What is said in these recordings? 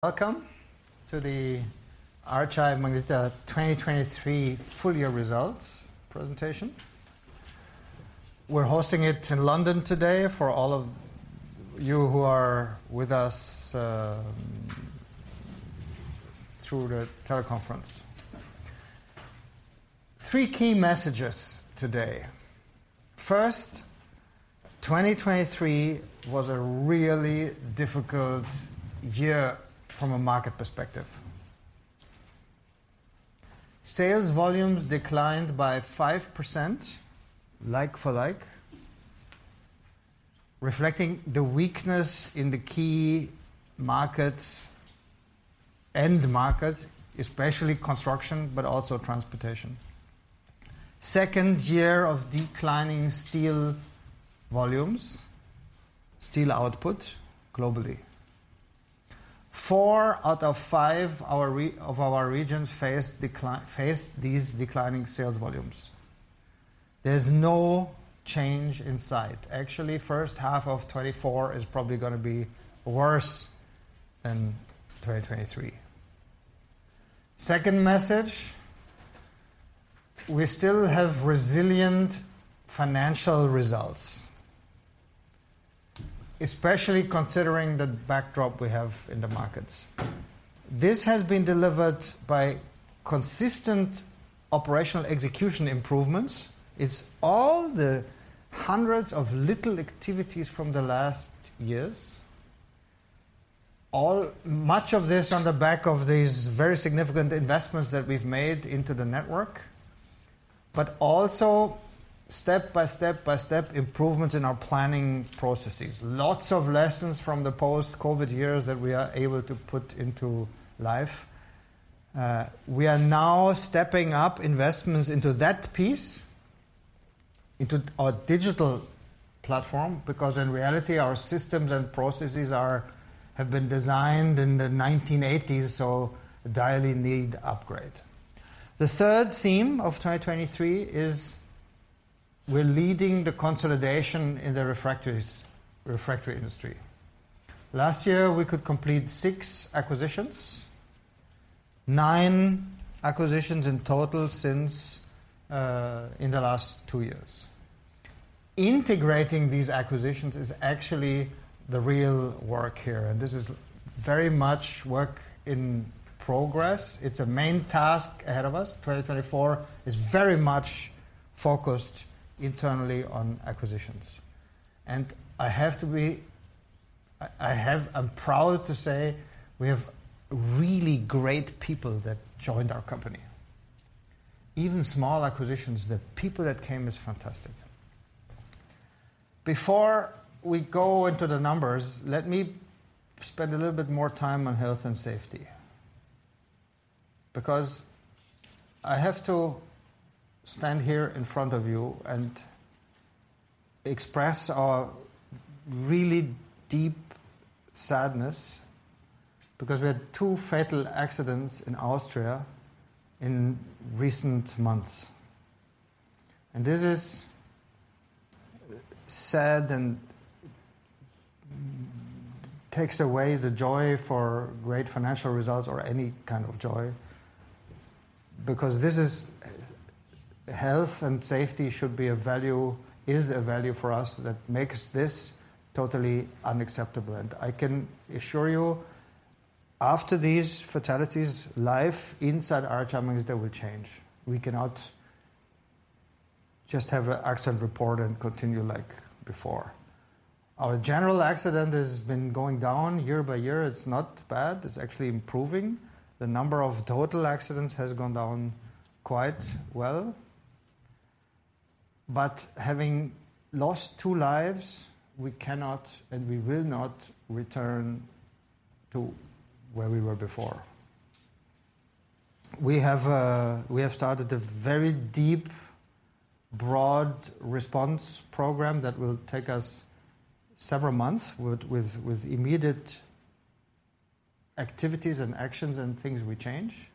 Welcome to the RHI Magnesita 2023 full-year results presentation. We're hosting it in London today for all of you who are with us, through the teleconference. Three key messages today. First, 2023 was a really difficult year from a market perspective. Sales volumes declined by 5%, like for like, reflecting the weakness in the key markets and market, especially construction but also transportation. Second year of declining steel volumes, steel output globally. Four out of five of our regions faced these declining sales volumes. There's no change in sight. Actually, first half of 2024 is probably going to be worse than 2023. Second message, we still have resilient financial results, especially considering the backdrop we have in the markets. This has been delivered by consistent operational execution improvements. It's all the hundreds of little activities from the last years, all much of this on the back of these very significant investments that we've made into the network, but also step by step by step improvements in our planning processes. Lots of lessons from the post-COVID years that we are able to put into life. We are now stepping up investments into that piece, into our digital platform, because in reality our systems and processes have been designed in the 1980s, so they all need an upgrade. The third theme of 2023 is we're leading the consolidation in the refractories refractory industry. Last year we could complete six acquisitions, nine acquisitions in total since, in the last two years. Integrating these acquisitions is actually the real work here, and this is very much work in progress. It's a main task ahead of us. 2024 is very much focused internally on acquisitions. I'm proud to say we have really great people that joined our company, even small acquisitions. The people that came is fantastic. Before we go into the numbers, let me spend a little bit more time on health and safety, because I have to stand here in front of you and express our really deep sadness because we had two fatal accidents in Austria in recent months. This is sad and takes away the joy for great financial results or any kind of joy, because this is health and safety should be a value is a value for us that makes this totally unacceptable. I can assure you, after these fatalities, life inside RHI Magnesita will change. We cannot just have an accident report and continue like before. Our general accident has been going down year by year. It's not bad. It's actually improving. The number of total accidents has gone down quite well. But having lost two lives, we cannot and we will not return to where we were before. We have started a very deep, broad response program that will take us several months with immediate activities and actions and things we change.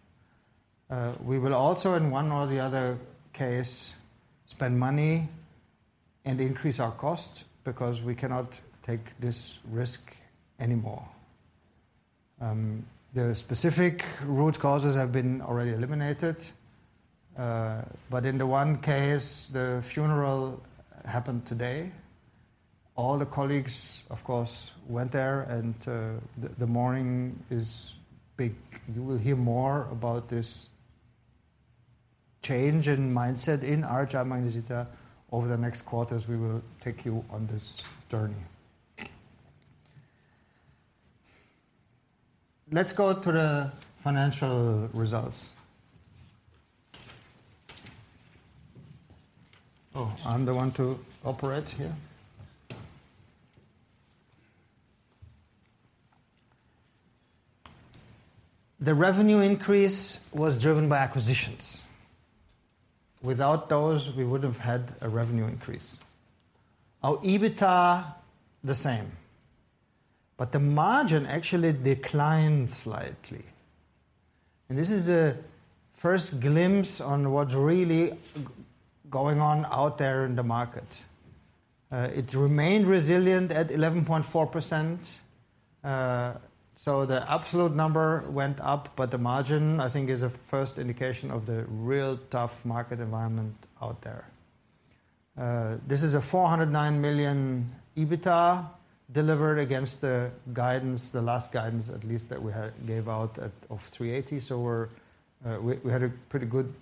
We will also, in one or the other case, spend money and increase our cost because we cannot take this risk anymore. The specific root causes have been already eliminated. But in the one case the funeral happened today, all the colleagues, of course, went there and the mourning is big. You will hear more about this change in mindset in RHI Magnesita over the next quarters. We will take you on this journey. Let's go to the financial results. Oh, I'm the one to operate here. The revenue increase was driven by acquisitions. Without those, we wouldn't have had a revenue increase. Our EBITDA the same. But the margin actually declined slightly. This is a first glimpse on what's really going on out there in the market. It remained resilient at 11.4%, so the absolute number went up. But the margin, I think, is a first indication of the real tough market environment out there. This is a $409 million EBITDA delivered against the guidance, the last guidance at least, that we gave out of $380 million. So we had a pretty good,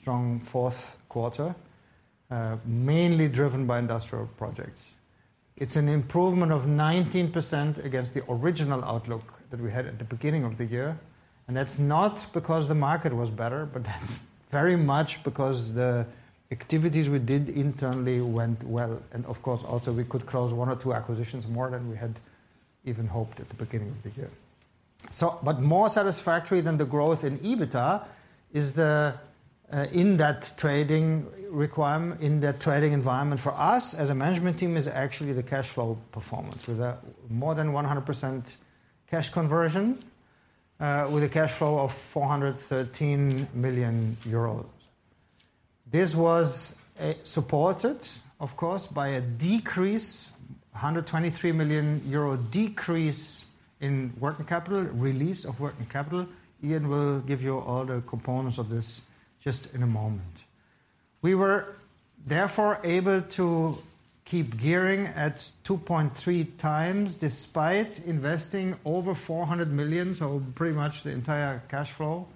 strong fourth quarter, mainly driven by industrial projects. It's an improvement of 19% against the original outlook that we had at the beginning of the year. That's not because the market was better, but that's very much because the activities we did internally went well. Of course, also we could close one or two acquisitions more than we had even hoped at the beginning of the year. But more satisfactory than the growth in EBITDA is the in-depth trading requirement in that trading environment for us as a management team is actually the cash flow performance. We've had more than 100% cash conversion with a cash flow of 413 million euros. This was supported, of course, by a decrease, 123 million euro decrease in working capital, release of working capital. Ian will give you all the components of this just in a moment. We were therefore able to keep gearing at 2.3x despite investing over $400 million, so pretty much the entire cash flow,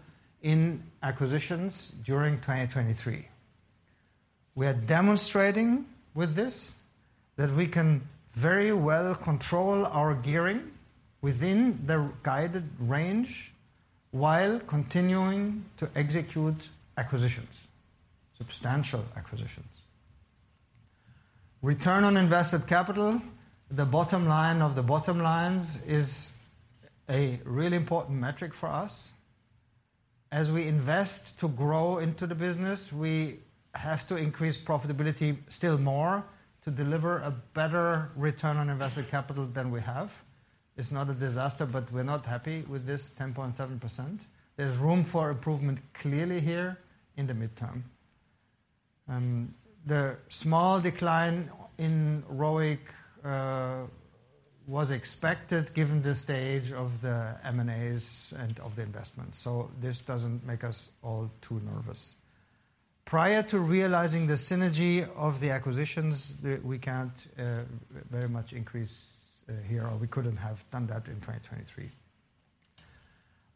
in acquisitions during 2023. We are demonstrating with this that we can very well control our gearing within the guided range while continuing to execute acquisitions, substantial acquisitions. Return on invested capital, the bottom line of the bottom lines, is a really important metric for us. As we invest to grow into the business, we have to increase profitability still more to deliver a better return on invested capital than we have. It's not a disaster, but we're not happy with this 10.7%. There's room for improvement clearly here in the midterm. The small decline in ROIC was expected given the stage of the M&As and of the investments. So this doesn't make us all too nervous. Prior to realizing the synergy of the acquisitions, we can't very much increase here, or we couldn't have done that in 2023.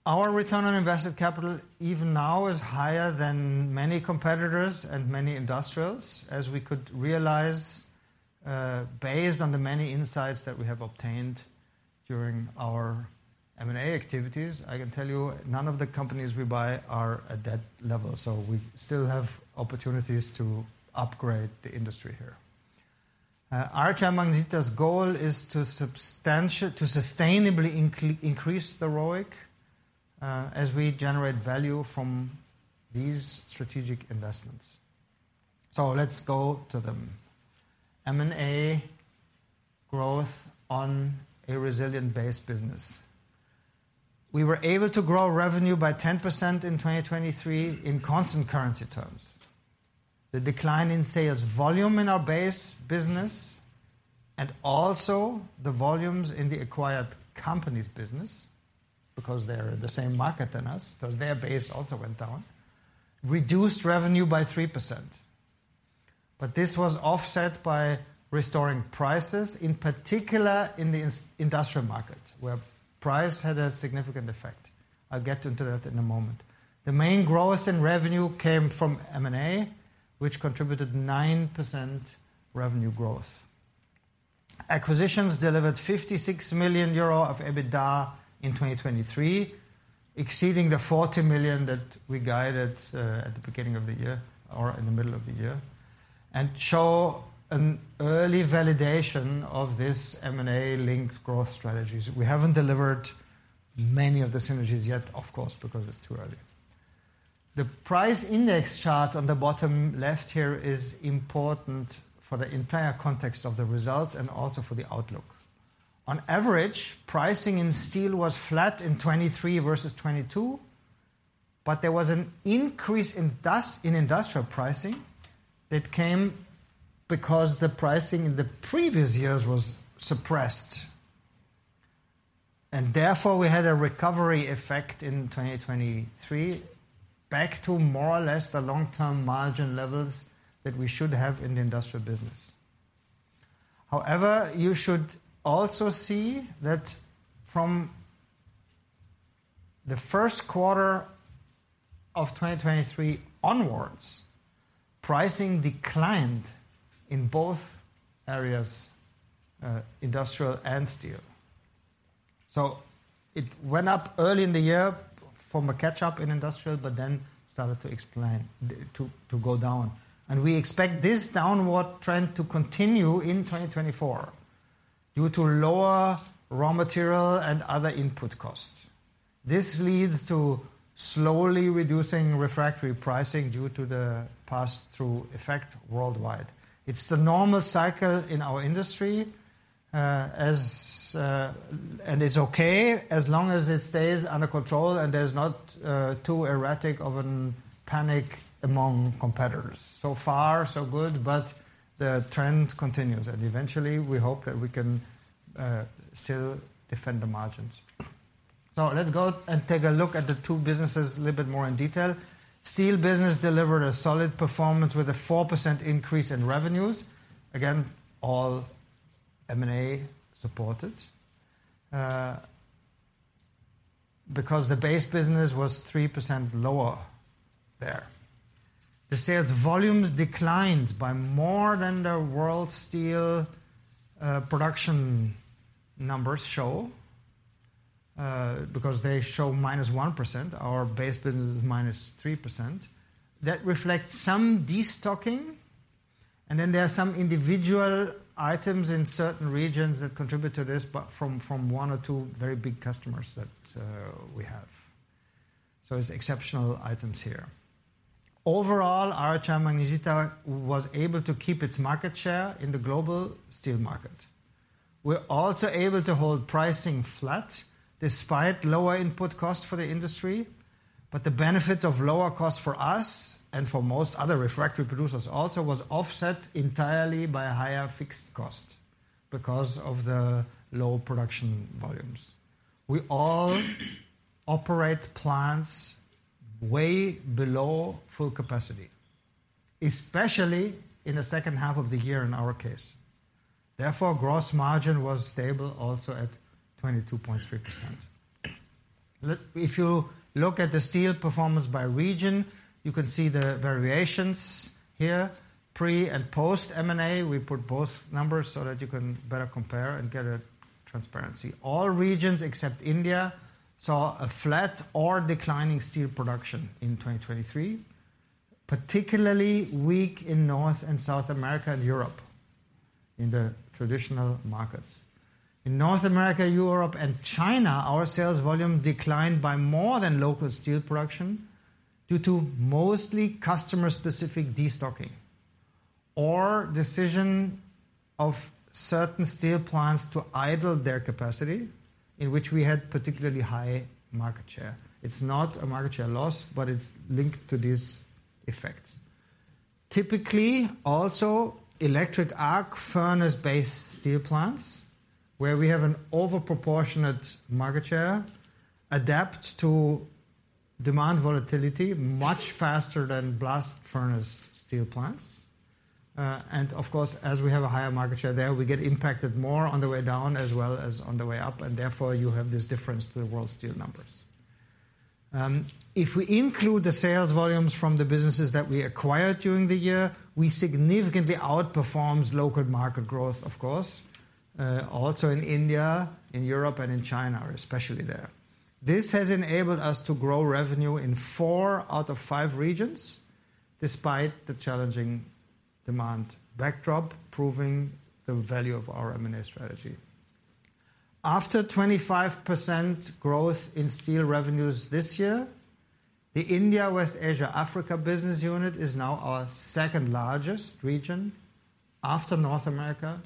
Our return on invested capital even now is higher than many competitors and many industrials, as we could realize based on the many insights that we have obtained during our M&A activities. I can tell you none of the companies we buy are at that level, so we still have opportunities to upgrade the industry here. RHI Magnesita's goal is to substantially to sustainably increase the ROIC as we generate value from these strategic investments. So let's go to them. M&A growth on a resilient base business. We were able to grow revenue by 10% in 2023 in constant currency terms. The decline in sales volume in our base business and also the volumes in the acquired companies' business, because they're in the same market than us, because their base also went down, reduced revenue by 3%. But this was offset by restoring prices, in particular in the industrial market, where price had a significant effect. I'll get into that in a moment. The main growth in revenue came from M&A, which contributed 9% revenue growth. Acquisitions delivered 56 million euro of EBITDA in 2023, exceeding the 40 million that we guided at the beginning of the year or in the middle of the year, and show an early validation of these M&A-linked growth strategies. We haven't delivered many of the synergies yet, of course, because it's too early. The price index chart on the bottom left here is important for the entire context of the results and also for the outlook. On average, pricing in steel was flat in 2023 versus 2022, but there was an increase in non-steel in industrial pricing that came because the pricing in the previous years was suppressed. Therefore we had a recovery effect in 2023 back to more or less the long-term margin levels that we should have in the industrial business. However, you should also see that from the first quarter of 2023 onwards, pricing declined in both areas, industrial and steel. So it went up early in the year from a catch-up in industrial, but then started to decline to go down. And we expect this downward trend to continue in 2024 due to lower raw material and other input costs. This leads to slowly reducing refractory pricing due to the pass-through effect worldwide. It's the normal cycle in our industry, and it's okay as long as it stays under control and there's not too erratic of a panic among competitors. So far, so good. But the trend continues, and eventually we hope that we can still defend the margins. So let's go and take a look at the two businesses a little bit more in detail. Steel business delivered a solid performance with a 4% increase in revenues, again, all M&A supported, because the base business was 3% lower there. The sales volumes declined by more than the world steel production numbers show, because they show -1%. Our base business is -3%. That reflects some destocking. And then there are some individual items in certain regions that contribute to this, but from one or two very big customers that we have. So it's exceptional items here. Overall, RHI Magnesita was able to keep its market share in the global steel market. We're also able to hold pricing flat despite lower input costs for the industry. But the benefits of lower costs for us and for most other refractory producers also was offset entirely by a higher fixed cost because of the low production volumes. We all operate plants way below full capacity, especially in the second half of the year in our case. Therefore, gross margin was stable also at 22.3%. If you look at the steel performance by region, you can see the variations here pre and post M&A. We put both numbers so that you can better compare and get a transparency. All regions except India saw a flat or declining steel production in 2023, particularly weak in North and South America and Europe in the traditional markets. In North America, Europe, and China, our sales volume declined by more than local steel production due to mostly customer-specific destocking or decision of certain steel plants to idle their capacity, in which we had particularly high market share. It's not a market share loss, but it's linked to this effect. Typically, also electric arc furnace-based steel plants, where we have an overproportionate market share, adapt to demand volatility much faster than blast furnace steel plants. Of course, as we have a higher market share there, we get impacted more on the way down as well as on the way up. Therefore, you have this difference to the world steel numbers. If we include the sales volumes from the businesses that we acquired during the year, we significantly outperformed local market growth, of course, also in India, in Europe, and in China, especially there. This has enabled us to grow revenue in four out of five regions despite the challenging demand backdrop, proving the value of our M&A strategy. After 25% growth in steel revenues this year, the India-West Asia-Africa business unit is now our second largest region after North America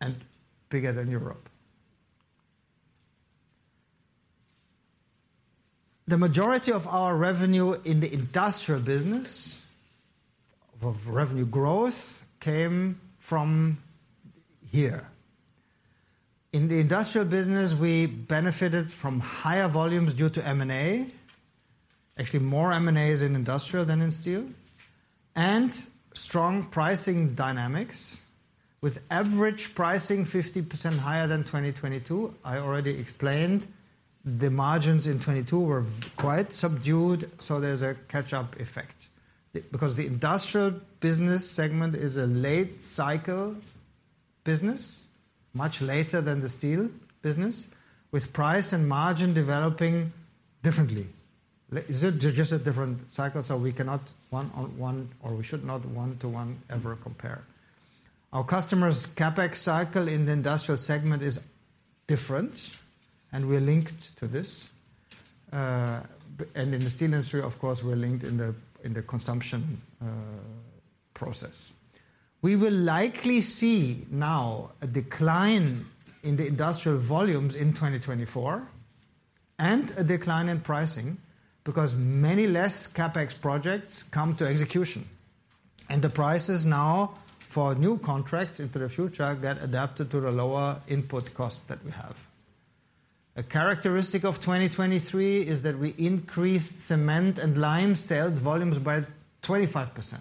and bigger than Europe. The majority of our revenue in the industrial business of revenue growth came from here. In the industrial business, we benefited from higher volumes due to M&A, actually more M&As in industrial than in steel, and strong pricing dynamics with average pricing 50% higher than 2022. I already explained the margins in 2022 were quite subdued, so there's a catch-up effect because the industrial business segment is a late cycle business, much later than the steel business, with price and margin developing differently. They're just a different cycle, so we cannot one-on-one or we should not one-to-one ever compare. Our customers' CapEx cycle in the industrial segment is different, and we're linked to this. In the steel industry, of course, we're linked in the consumption process. We will likely see now a decline in the industrial volumes in 2024 and a decline in pricing because many less CapEx projects come to execution. The prices now for new contracts into the future get adapted to the lower input costs that we have. A characteristic of 2023 is that we increased cement and lime sales volumes by 25%.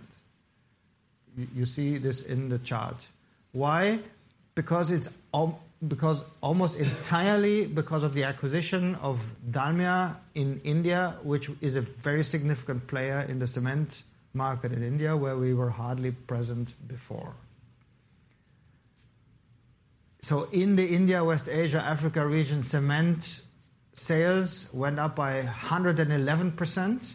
You see this in the chart. Why? Because almost entirely because of the acquisition of Dalmia in India, which is a very significant player in the cement market in India, where we were hardly present before. So in the India-West Asia-Africa region, cement sales went up by 111%.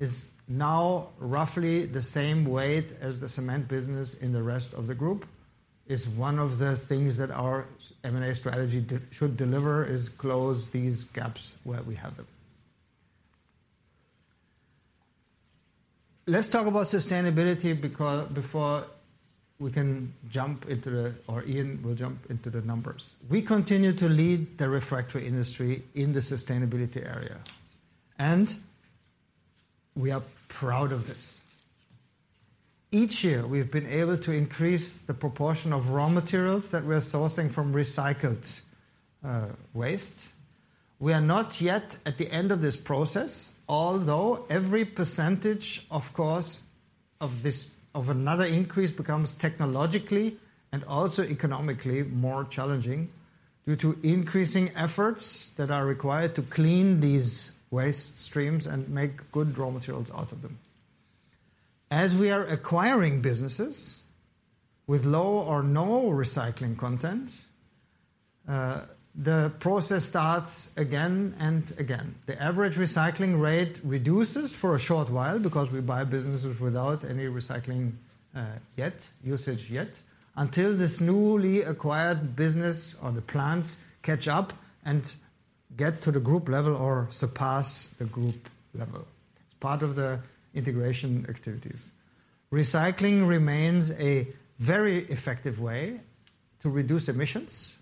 It's now roughly the same weight as the cement business in the rest of the group. It's one of the things that our M&A strategy should deliver is close these gaps where we have them. Let's talk about sustainability before we can jump into the, or Ian will jump into the numbers. We continue to lead the refractory industry in the sustainability area, and we are proud of this. Each year, we've been able to increase the proportion of raw materials that we're sourcing from recycled waste. We are not yet at the end of this process, although every percentage, of course, of another increase becomes technologically and also economically more challenging due to increasing efforts that are required to clean these waste streams and make good raw materials out of them. As we are acquiring businesses with low or no recycling content, the process starts again and again. The average recycling rate reduces for a short while because we buy businesses without any recycling yet, usage yet, until this newly acquired business or the plants catch up and get to the group level or surpass the group level. It's part of the integration activities. Recycling remains a very effective way to reduce emissions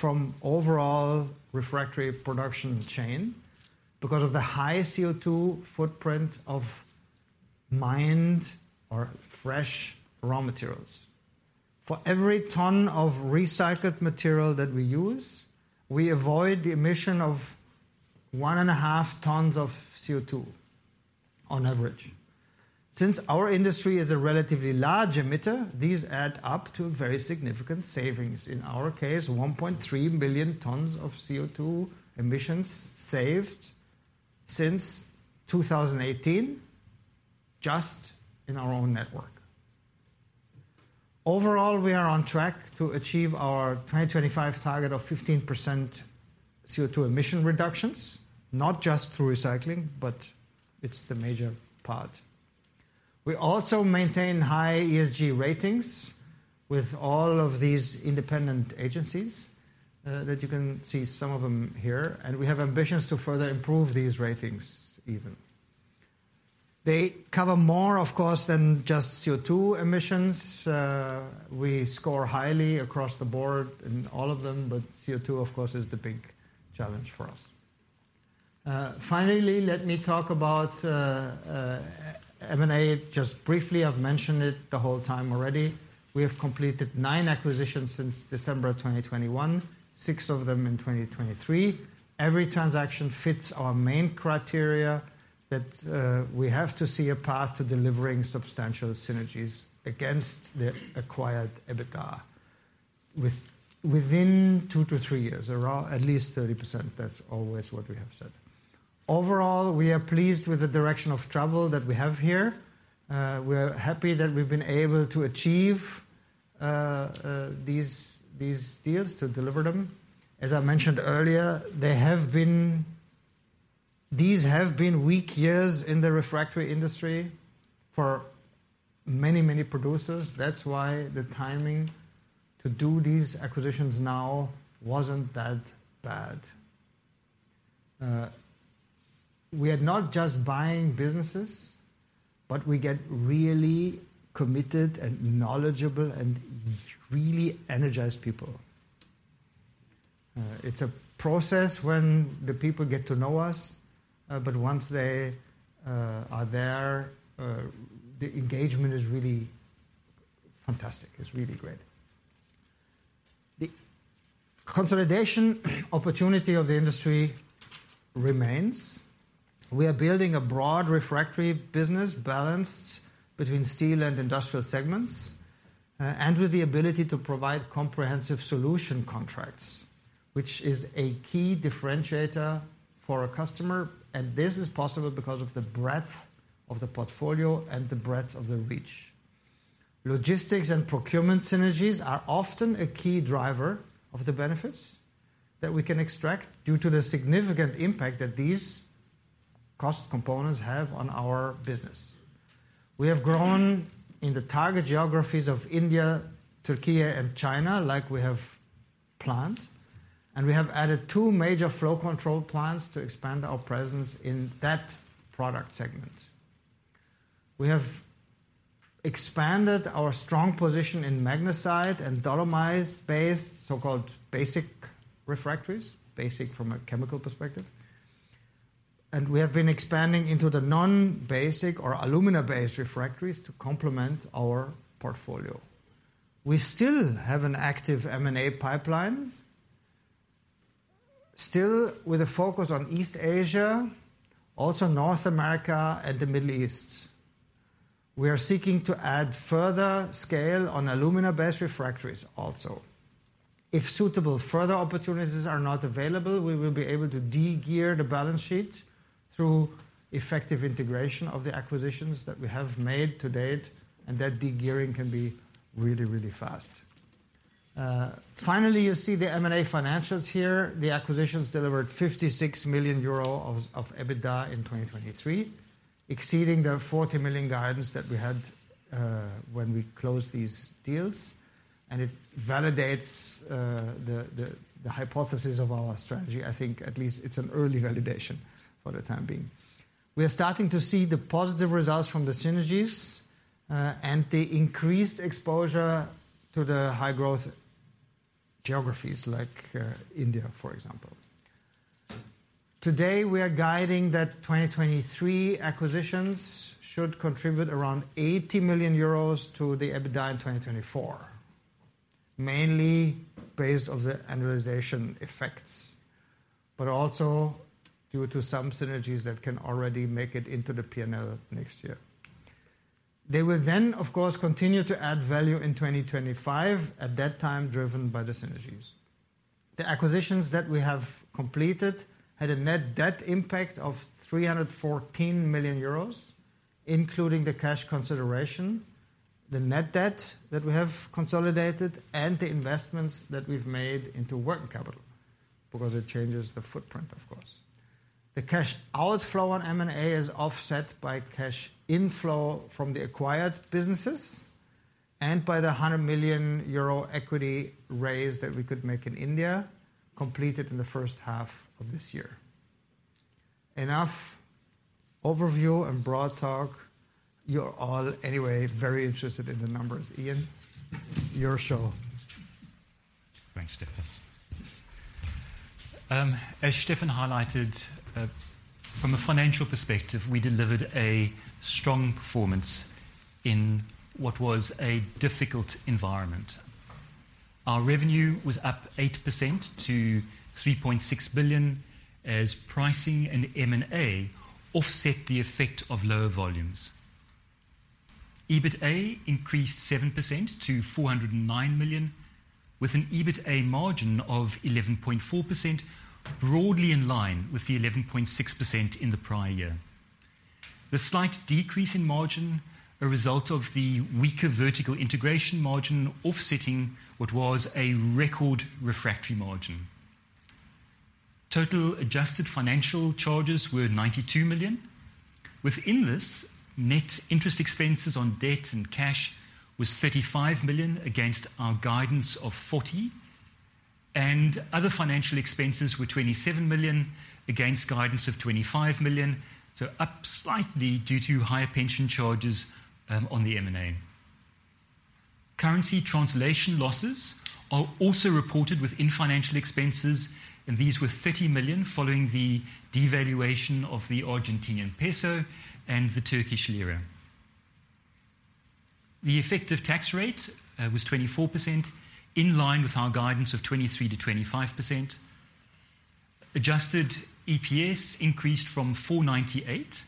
from the overall refractory production chain because of the high CO2 footprint of mined or fresh raw materials. For every ton of recycled material that we use, we avoid the emission of 1.5 tons of CO2 on average. Since our industry is a relatively large emitter, these add up to very significant savings. In our case, 1.3 million tons of CO2 emissions saved since 2018 just in our own network. Overall, we are on track to achieve our 2025 target of 15% CO2 emission reductions, not just through recycling, but it's the major part. We also maintain high ESG ratings with all of these independent agencies that you can see some of them here. We have ambitions to further improve these ratings even. They cover more, of course, than just CO2 emissions. We score highly across the board in all of them, but CO2, of course, is the big challenge for us. Finally, let me talk about M&A. Just briefly, I've mentioned it the whole time already. We have completed nine acquisitions since December 2021, six of them in 2023. Every transaction fits our main criteria that we have to see a path to delivering substantial synergies against the acquired EBITDA within two to three years, at least 30%. That's always what we have said. Overall, we are pleased with the direction of travel that we have here. We're happy that we've been able to achieve these deals to deliver them. As I mentioned earlier, these have been weak years in the refractory industry for many, many producers. That's why the timing to do these acquisitions now wasn't that bad. We are not just buying businesses, but we get really committed and knowledgeable and really energized people. It's a process when the people get to know us. But once they are there, the engagement is really fantastic. It's really great. The consolidation opportunity of the industry remains. We are building a broad refractory business balanced between steel and industrial segments and with the ability to provide comprehensive solution contracts, which is a key differentiator for a customer. This is possible because of the breadth of the portfolio and the breadth of the reach. Logistics and procurement synergies are often a key driver of the benefits that we can extract due to the significant impact that these cost components have on our business. We have grown in the target geographies of India, Türkiye, and China like we have planned. We have added two major flow control plants to expand our presence in that product segment. We have expanded our strong position in magnesite and dolomite-based so-called basic refractories, basic from a chemical perspective. We have been expanding into the non-basic or alumina-based refractories to complement our portfolio. We still have an active M&A pipeline, still with a focus on East Asia, also North America and the Middle East. We are seeking to add further scale on alumina-based refractories also. If suitable further opportunities are not available, we will be able to degear the balance sheet through effective integration of the acquisitions that we have made to date. And that degearing can be really, really fast. Finally, you see the M&A financials here. The acquisitions delivered 56 million euro of EBITDA in 2023, exceeding the 40 million guidance that we had when we closed these deals. And it validates the hypothesis of our strategy. I think at least it's an early validation for the time being. We are starting to see the positive results from the synergies and the increased exposure to the high-growth geographies like India, for example. Today, we are guiding that 2023 acquisitions should contribute around 80 million euros to the EBITDA in 2024, mainly based on the annualization effects, but also due to some synergies that can already make it into the P&L next year. They will then, of course, continue to add value in 2025, at that time driven by the synergies. The acquisitions that we have completed had a net debt impact of 314 million euros, including the cash consideration, the net debt that we have consolidated, and the investments that we've made into working capital because it changes the footprint, of course. The cash outflow on M&A is offset by cash inflow from the acquired businesses and by the 100 million euro equity raise that we could make in India completed in the first half of this year. Enough overview and broad talk. You're all anyway very interested in the numbers, Ian. Your show. Thanks, Stefan. As Stefan highlighted, from a financial perspective, we delivered a strong performance in what was a difficult environment. Our revenue was up 8% to 3.6 billion as pricing and M&A offset the effect of lower volumes. EBITDA increased 7% to 409 million, with an EBITDA margin of 11.4%, broadly in line with the 11.6% in the prior year. The slight decrease in margin is a result of the weaker vertical integration margin offsetting what was a record refractory margin. Total adjusted financial charges were 92 million. Within this, net interest expenses on debt and cash were 35 million against our guidance of 40 million. Other financial expenses were 27 million against guidance of 25 million, so up slightly due to higher pension charges on the M&A. Currency translation losses are also reported within financial expenses, and these were 30 million following the devaluation of the Argentinian peso and the Turkish lira. The effective tax rate was 24%, in line with our guidance of 23%-25%. Adjusted EPS increased from 498,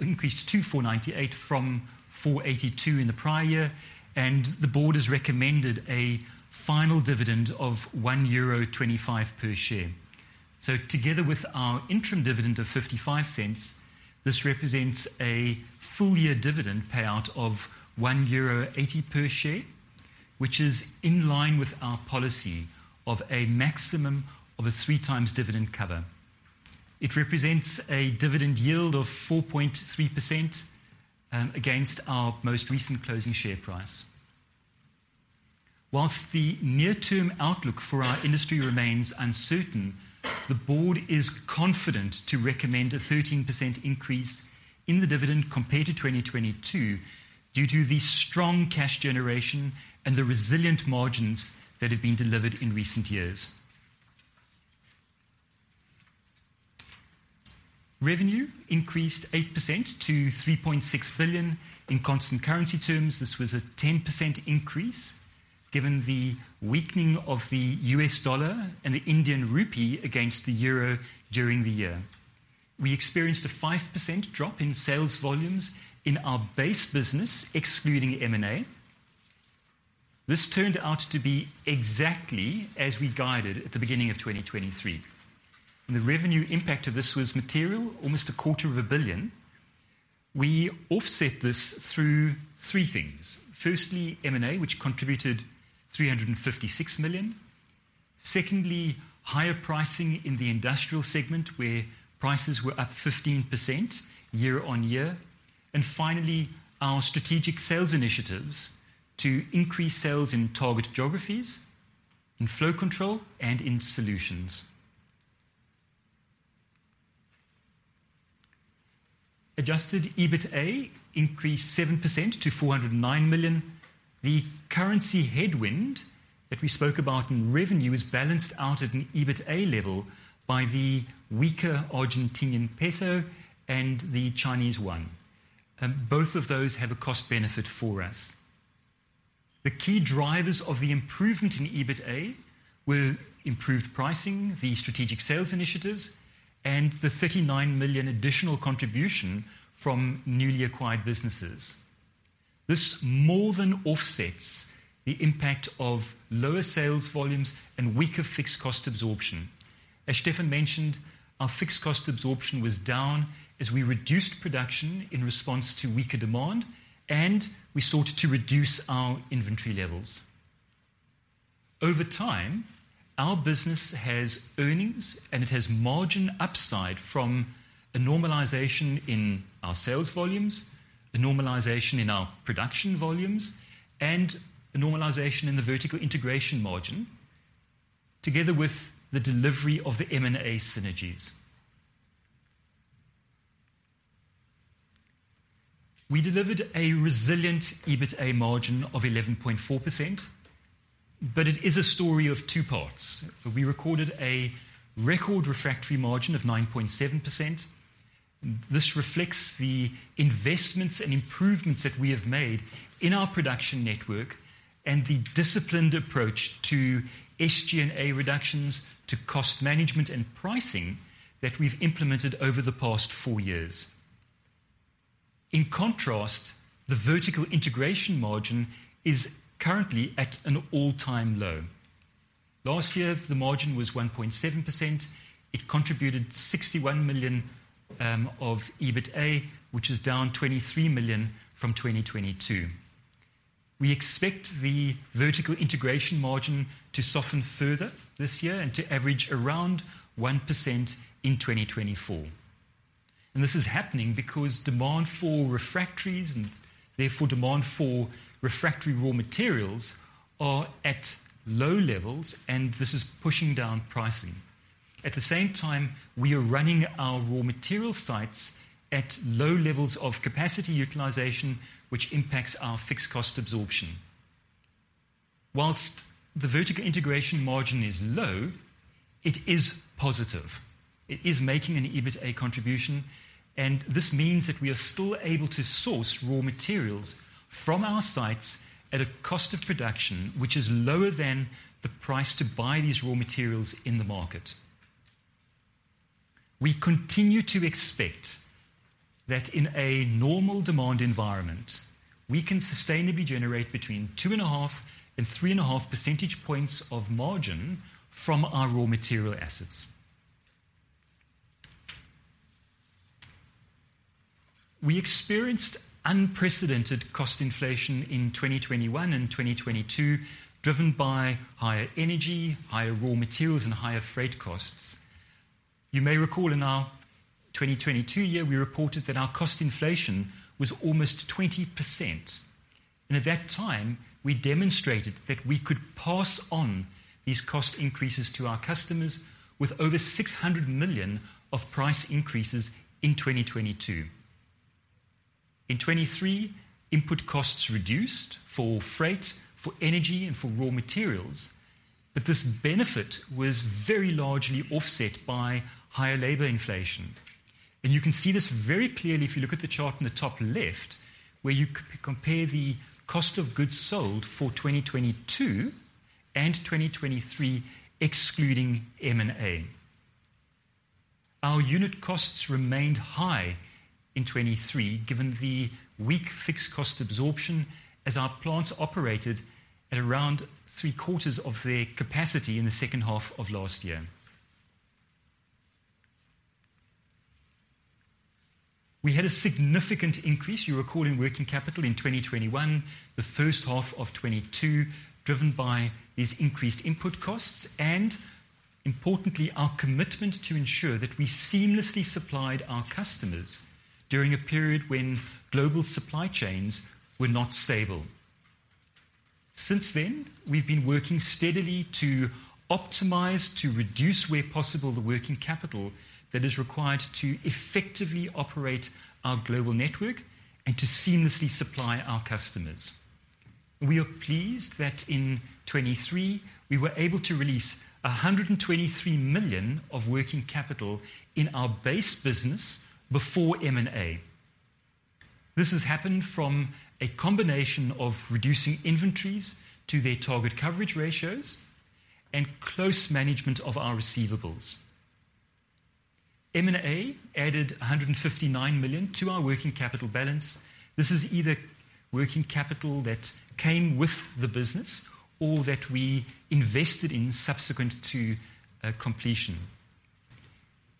increased to 498 from 482 in the prior year. The board has recommended a final dividend of 1.25 euro per share. Together with our interim dividend of 0.55, this represents a full-year dividend payout of 1.80 euro per share, which is in line with our policy of a maximum of a 3x dividend cover. It represents a dividend yield of 4.3% against our most recent closing share price. Whilst the near-term outlook for our industry remains uncertain, the board is confident to recommend a 13% increase in the dividend compared to 2022 due to the strong cash generation and the resilient margins that have been delivered in recent years. Revenue increased 8% to 3.6 billion. In constant currency terms, this was a 10% increase given the weakening of the US dollar and the Indian rupee against the euro during the year. We experienced a 5% drop in sales volumes in our base business excluding M&A. This turned out to be exactly as we guided at the beginning of 2023. The revenue impact of this was material, almost 250 million. We offset this through three things. Firstly, M&A, which contributed 356 million. Secondly, higher pricing in the industrial segment where prices were up 15% year-over-year. And finally, our strategic sales initiatives to increase sales in target geographies, in flow control, and in solutions. Adjusted EBITDA increased 7% to 409 million. The currency headwind that we spoke about in revenue is balanced out at an EBITDA level by the weaker Argentinian peso and the Chinese yuan. Both of those have a cost-benefit for us. The key drivers of the improvement in EBITDA were improved pricing, the strategic sales initiatives, and the 39 million additional contribution from newly acquired businesses. This more than offsets the impact of lower sales volumes and weaker fixed cost absorption. As Stefan mentioned, our fixed cost absorption was down as we reduced production in response to weaker demand, and we sought to reduce our inventory levels. Over time, our business has earnings, and it has margin upside from a normalization in our sales volumes, a normalization in our production volumes, and a normalization in the vertical integration margin together with the delivery of the M&A synergies. We delivered a resilient EBITDA margin of 11.4%. But it is a story of two parts. We recorded a record refractory margin of 9.7%. This reflects the investments and improvements that we have made in our production network and the disciplined approach to SG&A reductions, to cost management, and pricing that we've implemented over the past four years. In contrast, the vertical integration margin is currently at an all-time low. Last year, the margin was 1.7%. It contributed 61 million to EBITDA, which is down 23 million from 2022. We expect the vertical integration margin to soften further this year and to average around 1% in 2024. This is happening because demand for refractories and therefore demand for refractory raw materials are at low levels, and this is pushing down pricing. At the same time, we are running our raw material sites at low levels of capacity utilization, which impacts our fixed cost absorption. While the vertical integration margin is low, it is positive. It is making an EBITDA contribution. This means that we are still able to source raw materials from our sites at a cost of production which is lower than the price to buy these raw materials in the market. We continue to expect that in a normal demand environment, we can sustainably generate between 2.5 and 3.5 percentage points of margin from our raw material assets. We experienced unprecedented cost inflation in 2021 and 2022 driven by higher energy, higher raw materials, and higher freight costs. You may recall in our 2022 year, we reported that our cost inflation was almost 20%. At that time, we demonstrated that we could pass on these cost increases to our customers with over 600 million of price increases in 2022. In 2023, input costs reduced for freight, for energy, and for raw materials. This benefit was very largely offset by higher labor inflation. You can see this very clearly if you look at the chart in the top left where you compare the cost of goods sold for 2022 and 2023 excluding M&A. Our unit costs remained high in 2023 given the weak fixed cost absorption as our plants operated at around three-quarters of their capacity in the second half of last year. We had a significant increase, you recall, in working capital in 2021, the first half of 2022 driven by these increased input costs and, importantly, our commitment to ensure that we seamlessly supplied our customers during a period when global supply chains were not stable. Since then, we've been working steadily to optimize, to reduce where possible the working capital that is required to effectively operate our global network and to seamlessly supply our customers. We are pleased that in 2023, we were able to release 123 million of working capital in our base business before M&A. This has happened from a combination of reducing inventories to their target coverage ratios and close management of our receivables. M&A added 159 million to our working capital balance. This is either working capital that came with the business or that we invested in subsequent to completion.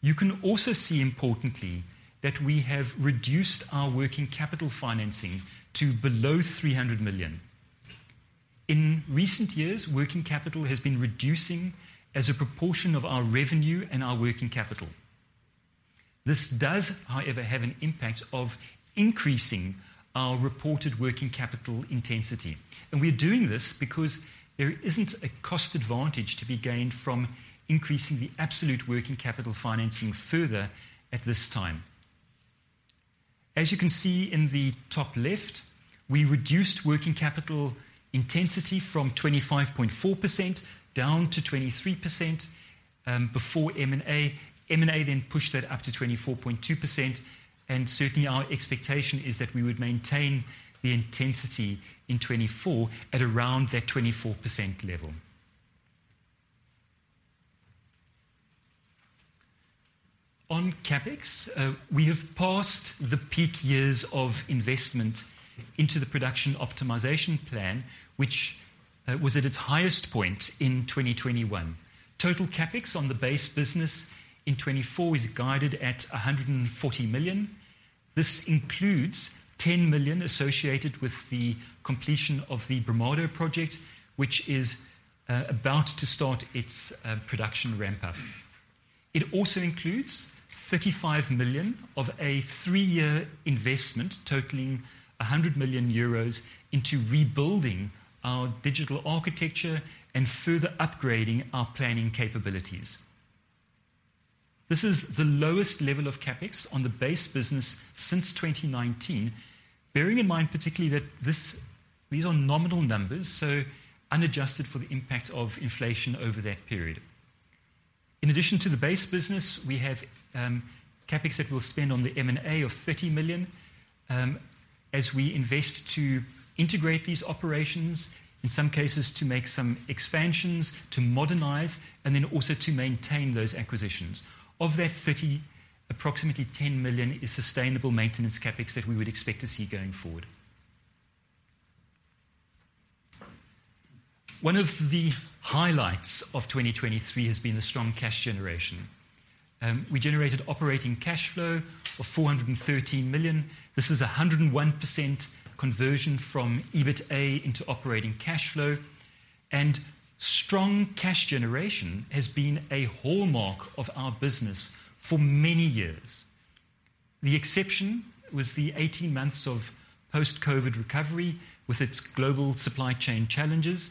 You can also see, importantly, that we have reduced our working capital financing to below 300 million. In recent years, working capital has been reducing as a proportion of our revenue and our working capital. This does, however, have an impact of increasing our reported working capital intensity. And we are doing this because there isn't a cost advantage to be gained from increasing the absolute working capital financing further at this time. As you can see in the top left, we reduced working capital intensity from 25.4% down to 23% before M&A. M&A then pushed that up to 24.2%. And certainly, our expectation is that we would maintain the intensity in 2024 at around that 24% level. On CapEx, we have passed the peak years of investment into the production optimization plan, which was at its highest point in 2021. Total CapEx on the base business in 2024 is guided at 140 million. This includes 10 million associated with the completion of the Brumado project, which is about to start its production ramp-up. It also includes 35 million of a three-year investment totaling 100 million euros into rebuilding our digital architecture and further upgrading our planning capabilities. This is the lowest level of CapEx on the base business since 2019, bearing in mind particularly that these are nominal numbers, so unadjusted for the impact of inflation over that period. In addition to the base business, we have CapEx that we'll spend on the M&A of 30 million as we invest to integrate these operations, in some cases to make some expansions, to modernize, and then also to maintain those acquisitions. Of that 30, approximately 10 million is sustainable maintenance CapEx that we would expect to see going forward. One of the highlights of 2023 has been the strong cash generation. We generated operating cash flow of 413 million. This is 101% conversion from EBITDA into operating cash flow. And strong cash generation has been a hallmark of our business for many years. The exception was the 18 months of post-COVID recovery with its global supply chain challenges.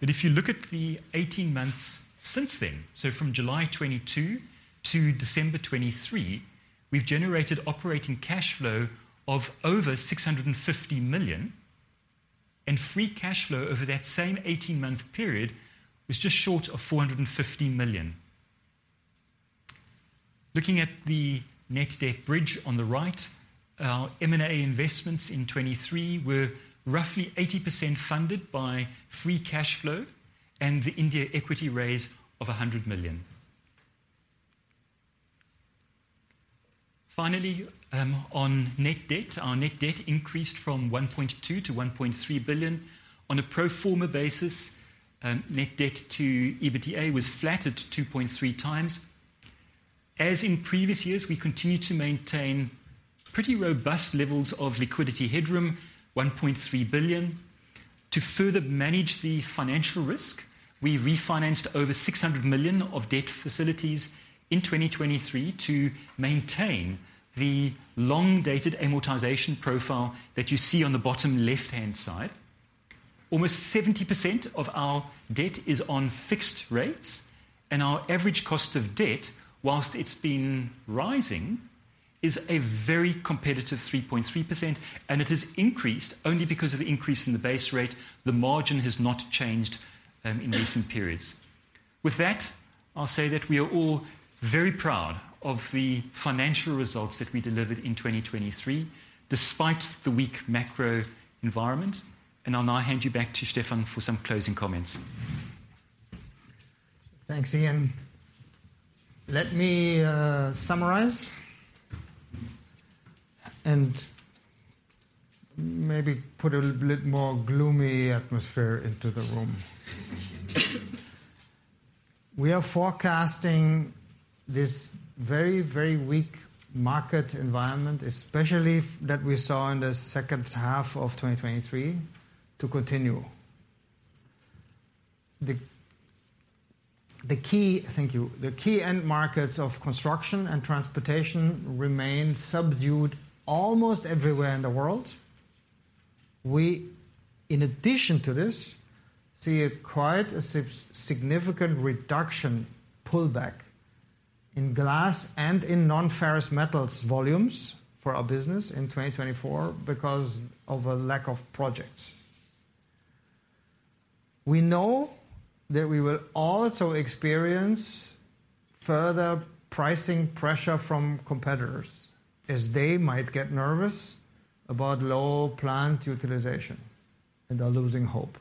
But if you look at the 18 months since then, so from July 2022 to December 2023, we've generated operating cash flow of over 650 million. Free cash flow over that same 18-month period was just short of 450 million. Looking at the net debt bridge on the right, our M&A investments in 2023 were roughly 80% funded by free cash flow and the India equity raise of 100 million. Finally, on net debt, our net debt increased from 1.2 billion to 1.3 billion. On a pro forma basis, net debt to EBITDA was flat at 2.3x. As in previous years, we continue to maintain pretty robust levels of liquidity headroom, 1.3 billion. To further manage the financial risk, we refinanced over 600 million of debt facilities in 2023 to maintain the long-dated amortization profile that you see on the bottom left-hand side. Almost 70% of our debt is on fixed rates. Our average cost of debt, while it's been rising, is a very competitive 3.3%. It has increased only because of the increase in the base rate. The margin has not changed in recent periods. With that, I'll say that we are all very proud of the financial results that we delivered in 2023 despite the weak macro environment. I'll now hand you back to Stefan for some closing comments. Thanks, Ian. Let me summarize and maybe put a little bit more gloomy atmosphere into the room. We are forecasting this very, very weak market environment, especially that we saw in the second half of 2023, to continue. The key end markets of construction and transportation remain subdued almost everywhere in the world. We, in addition to this, see quite a significant reduction, pullback in glass and in non-ferrous metals volumes for our business in 2024 because of a lack of projects. We know that we will also experience further pricing pressure from competitors as they might get nervous about low plant utilization and are losing hope.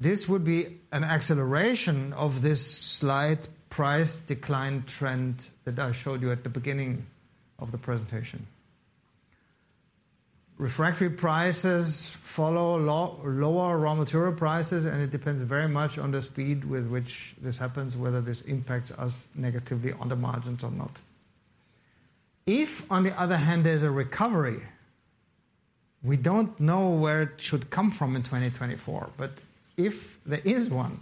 This would be an acceleration of this slight price decline trend that I showed you at the beginning of the presentation. Refractory prices follow lower raw material prices, and it depends very much on the speed with which this happens, whether this impacts us negatively on the margins or not. If, on the other hand, there's a recovery, we don't know where it should come from in 2024. But if there is one,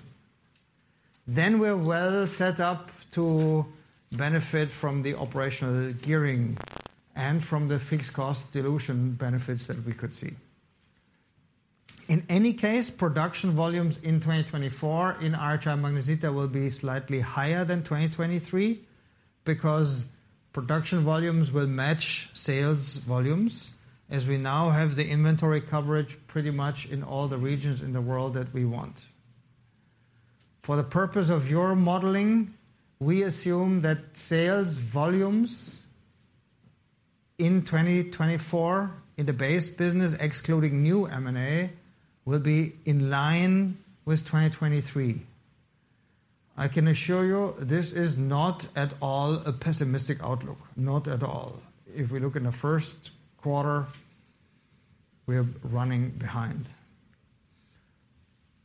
then we're well set up to benefit from the operational gearing and from the fixed cost dilution benefits that we could see. In any case, production volumes in 2024 in RHI Magnesita will be slightly higher than 2023 because production volumes will match sales volumes as we now have the inventory coverage pretty much in all the regions in the world that we want. For the purpose of your modeling, we assume that sales volumes in 2024 in the base business excluding new M&A will be in line with 2023. I can assure you this is not at all a pessimistic outlook, not at all. If we look in the first quarter, we are running behind.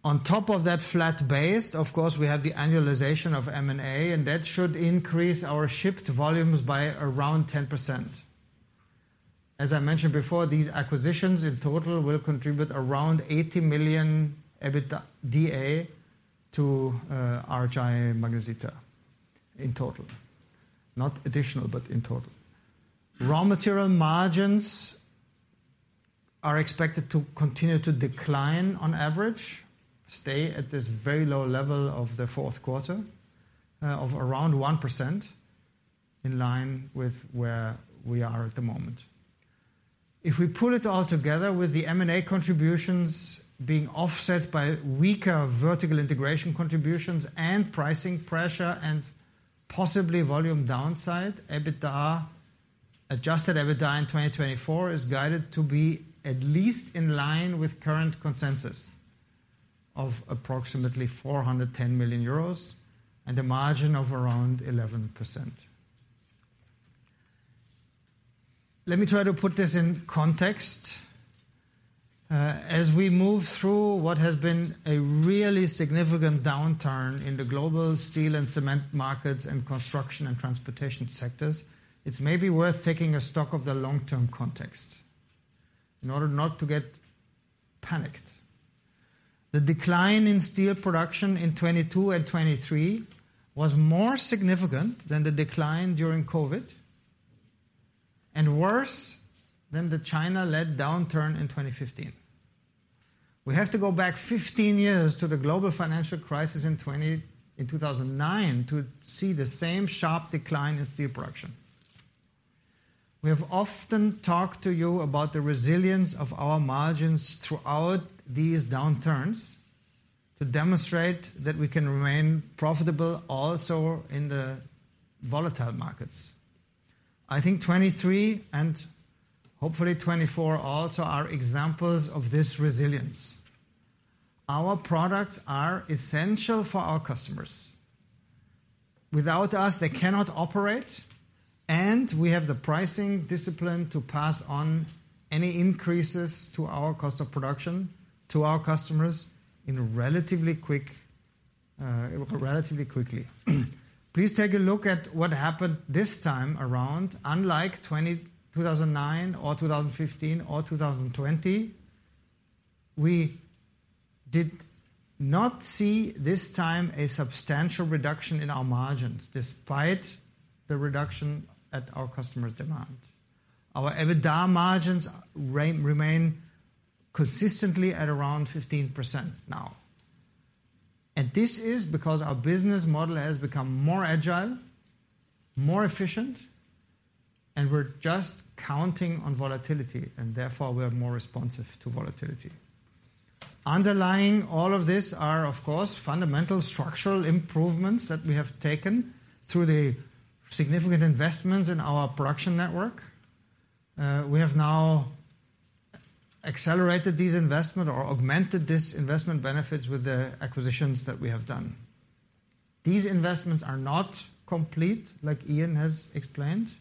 On top of that flat base, of course, we have the annualization of M&A, and that should increase our shipped volumes by around 10%. As I mentioned before, these acquisitions in total will contribute around 80 million EBITDA to RHI Magnesita in total. Not additional, but in total. Raw material margins are expected to continue to decline on average, stay at this very low level of the fourth quarter of around 1% in line with where we are at the moment. If we pull it all together with the M&A contributions being offset by weaker vertical integration contributions and pricing pressure and possibly volume downside, adjusted EBITDA in 2024 is guided to be at least in line with current consensus of approximately 410 million euros and a margin of around 11%. Let me try to put this in context. As we move through what has been a really significant downturn in the global steel and cement markets and construction and transportation sectors, it's maybe worth taking a stock of the long-term context in order not to get panicked. The decline in steel production in 2022 and 2023 was more significant than the decline during COVID and worse than the China-led downturn in 2015. We have to go back 15 years to the global financial crisis in 2009 to see the same sharp decline in steel production. We have often talked to you about the resilience of our margins throughout these downturns to demonstrate that we can remain profitable also in the volatile markets. I think 2023 and hopefully 2024 also are examples of this resilience. Our products are essential for our customers. Without us, they cannot operate. We have the pricing discipline to pass on any increases to our cost of production to our customers relatively quickly. Please take a look at what happened this time around. Unlike 2009 or 2015 or 2020, we did not see this time a substantial reduction in our margins despite the reduction at our customers' demand. Our EBITDA margins remain consistently at around 15% now. This is because our business model has become more agile, more efficient, and we're just counting on volatility. Therefore, we are more responsive to volatility. Underlying all of this are, of course, fundamental structural improvements that we have taken through the significant investments in our production network. We have now accelerated these investments or augmented these investment benefits with the acquisitions that we have done. These investments are not complete, like Ian has explained.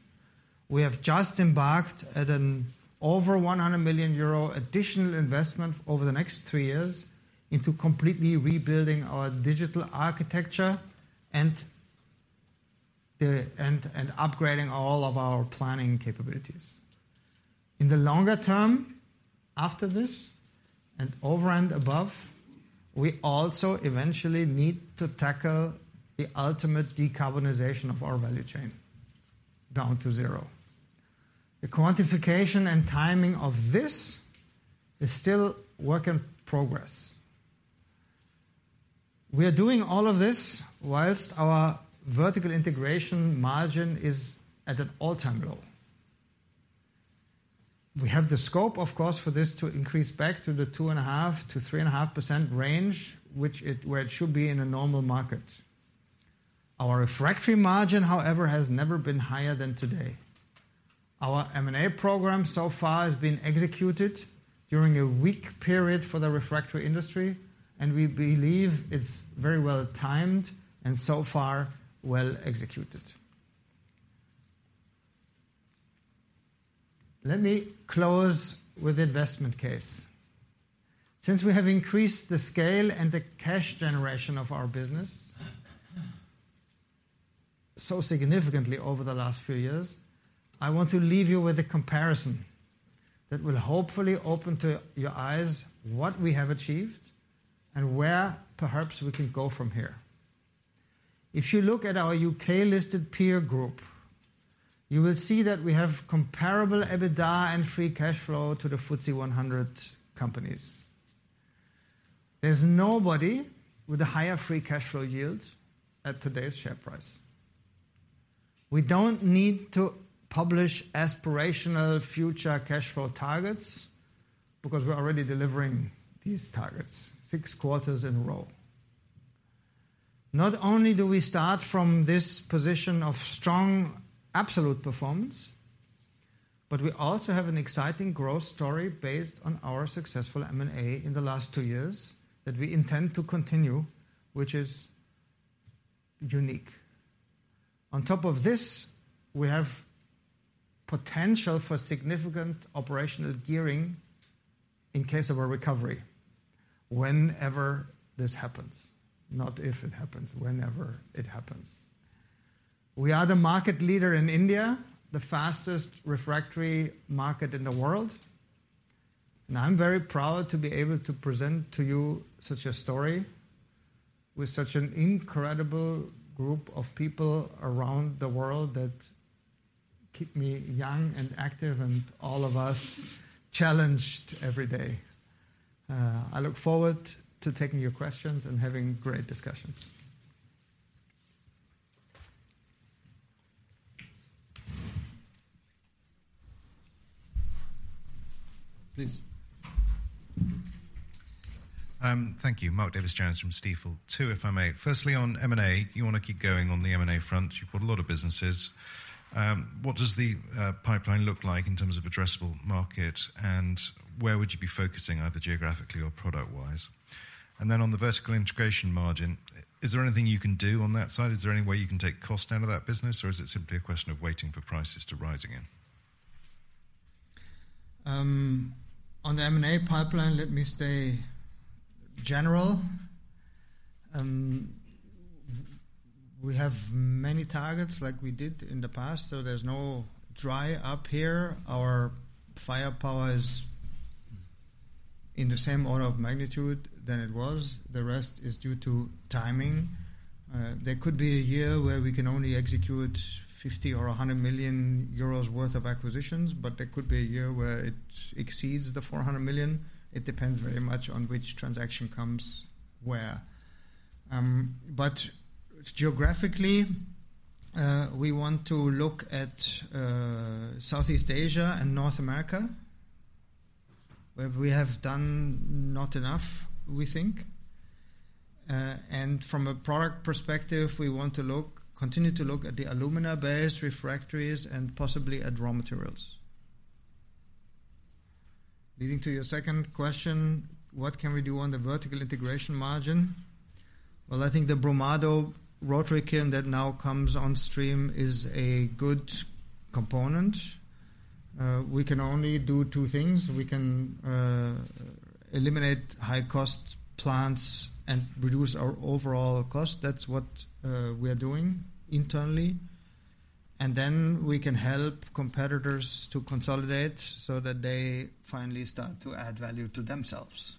We have just embarked at an over 100 million euro additional investment over the next three years into completely rebuilding our digital architecture and upgrading all of our planning capabilities. In the longer term, after this and over and above, we also eventually need to tackle the ultimate decarbonization of our value chain down to zero. The quantification and timing of this is still a work in progress. We are doing all of this whilst our vertical integration margin is at an all-time low. We have the scope, of course, for this to increase back to the 2.5%-3.5% range, where it should be in a normal market. Our refractory margin, however, has never been higher than today. Our M&A program so far has been executed during a weak period for the refractory industry. We believe it's very well timed and so far well executed. Let me close with the investment case. Since we have increased the scale and the cash generation of our business so significantly over the last few years, I want to leave you with a comparison that will hopefully open to your eyes what we have achieved and where perhaps we can go from here. If you look at our UK-listed peer group, you will see that we have comparable EBITDA and free cash flow to the FTSE 100 companies. There's nobody with a higher free cash flow yield at today's share price. We don't need to publish aspirational future cash flow targets because we're already delivering these targets six quarters in a row. Not only do we start from this position of strong absolute performance, but we also have an exciting growth story based on our successful M&A in the last two years that we intend to continue, which is unique. On top of this, we have potential for significant operational gearing in case of a recovery whenever this happens, not if it happens, whenever it happens. We are the market leader in India, the fastest refractory market in the world. I'm very proud to be able to present to you such a story with such an incredible group of people around the world that keep me young and active and all of us challenged every day. I look forward to taking your questions and having great discussions. Please. Thank you. Mark Davies Jones from Stifel, too, if I may. Firstly, on M&A, you want to keep going on the M&A front. You've got a lot of businesses. What does the pipeline look like in terms of addressable market? And where would you be focusing, either geographically or product-wise? And then on the vertical integration margin, is there anything you can do on that side? Is there any way you can take cost out of that business, or is it simply a question of waiting for prices to rise again? On the M&A pipeline, let me stay general. We have many targets like we did in the past, so there's no dry up here. Our firepower is in the same order of magnitude than it was. The rest is due to timing. There could be a year where we can only execute 50 million or 100 million euros worth of acquisitions, but there could be a year where it exceeds the 400 million. It depends very much on which transaction comes where. But geographically, we want to look at Southeast Asia and North America, where we have done not enough, we think. And from a product perspective, we want to continue to look at the alumina-based refractories and possibly at raw materials. Leading to your second question, what can we do on the vertical integration margin? Well, I think the Brumado rotary kiln that now comes on stream is a good component. We can only do two things. We can eliminate high-cost plants and reduce our overall cost. That's what we are doing internally. And then we can help competitors to consolidate so that they finally start to add value to themselves.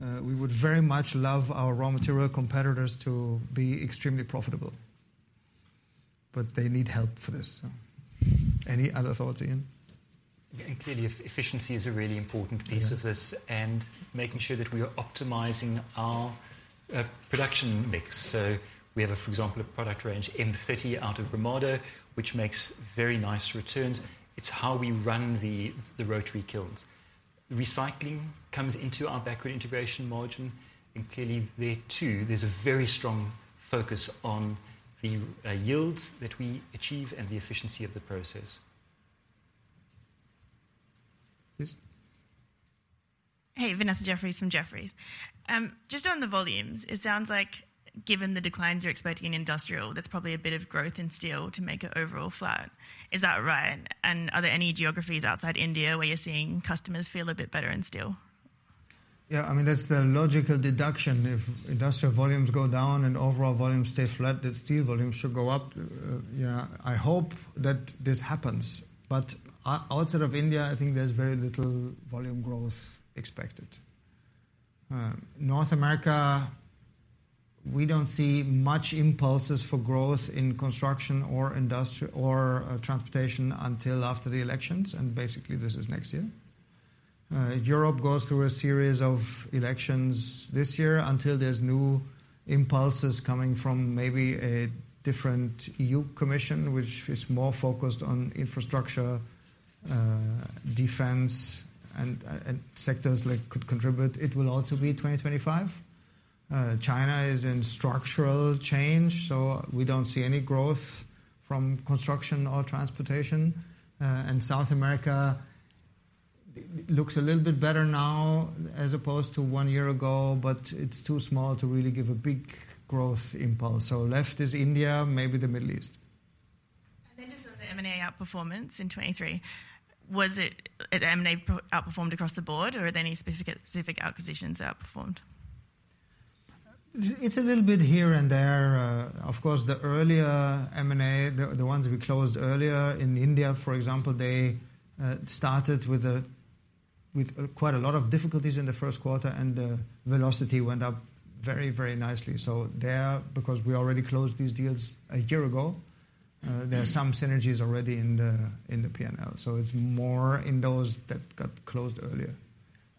We would very much love our raw material competitors to be extremely profitable. But they need help for this. Any other thoughts, Ian? Clearly, efficiency is a really important piece of this and making sure that we are optimizing our production mix. We have, for example, a product range M30 out of Brumado, which makes very nice returns. It's how we run the rotary kilns. Recycling comes into our backward integration margin. Clearly, there too, there's a very strong focus on the yields that we achieve and the efficiency of the process. Please. Hey, Vanessa Jeffriess from Jefferies. Just on the volumes, it sounds like given the declines you're expecting in industrial, there's probably a bit of growth in steel to make it overall flat. Is that right? And are there any geographies outside India where you're seeing customers feel a bit better in steel? Yeah. I mean, that's the logical deduction. If industrial volumes go down and overall volumes stay flat, then steel volumes should go up. I hope that this happens. But outside of India, I think there's very little volume growth expected. North America, we don't see much impulses for growth in construction or transportation until after the elections. And basically, this is next year. Europe goes through a series of elections this year until there's new impulses coming from maybe a different EU Commission, which is more focused on infrastructure, defense, and sectors that could contribute. It will also be 2025. China is in structural change, so we don't see any growth from construction or transportation. And South America looks a little bit better now as opposed to one year ago, but it's too small to really give a big growth impulse. So left is India, maybe the Middle East. And then just on the M&A outperformance in 2023, was the M&A outperformed across the board, or are there any specific acquisitions outperformed? It's a little bit here and there. Of course, the earlier M&A, the ones we closed earlier in India, for example, they started with quite a lot of difficulties in the first quarter, and the velocity went up very, very nicely. So there, because we already closed these deals a year ago, there are some synergies already in the P&L. So it's more in those that got closed earlier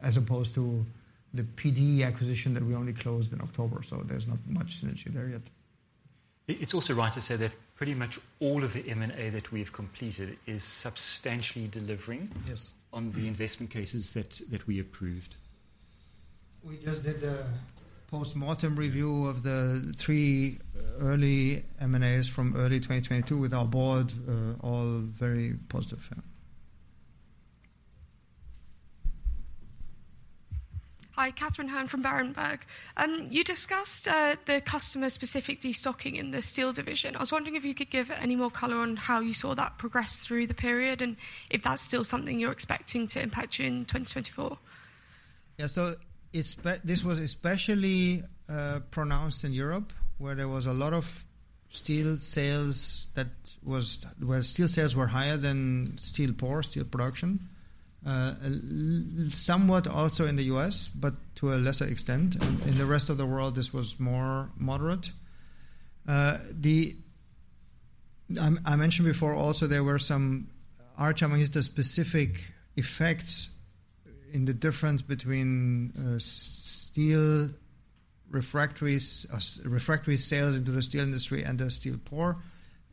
as opposed to the P-D acquisition that we only closed in October. So there's not much synergy there yet. It's also right to say that pretty much all of the M&A that we have completed is substantially delivering on the investment cases that we approved. We just did the postmortem review of the three early M&As from early 2022 with our board. All very positive. Hi, Katherine Hearne from Berenberg. You discussed the customer-specific destocking in the steel division. I was wondering if you could give any more color on how you saw that progress through the period and if that's still something you're expecting to impact you in 2024? Yeah. So this was especially pronounced in Europe, where there was a lot of steel sales that were higher than steel production, somewhat also in the U.S., but to a lesser extent. In the rest of the world, this was more moderate. I mentioned before also there were some area-specific effects in the difference between steel refractory sales into the steel industry and the steel production.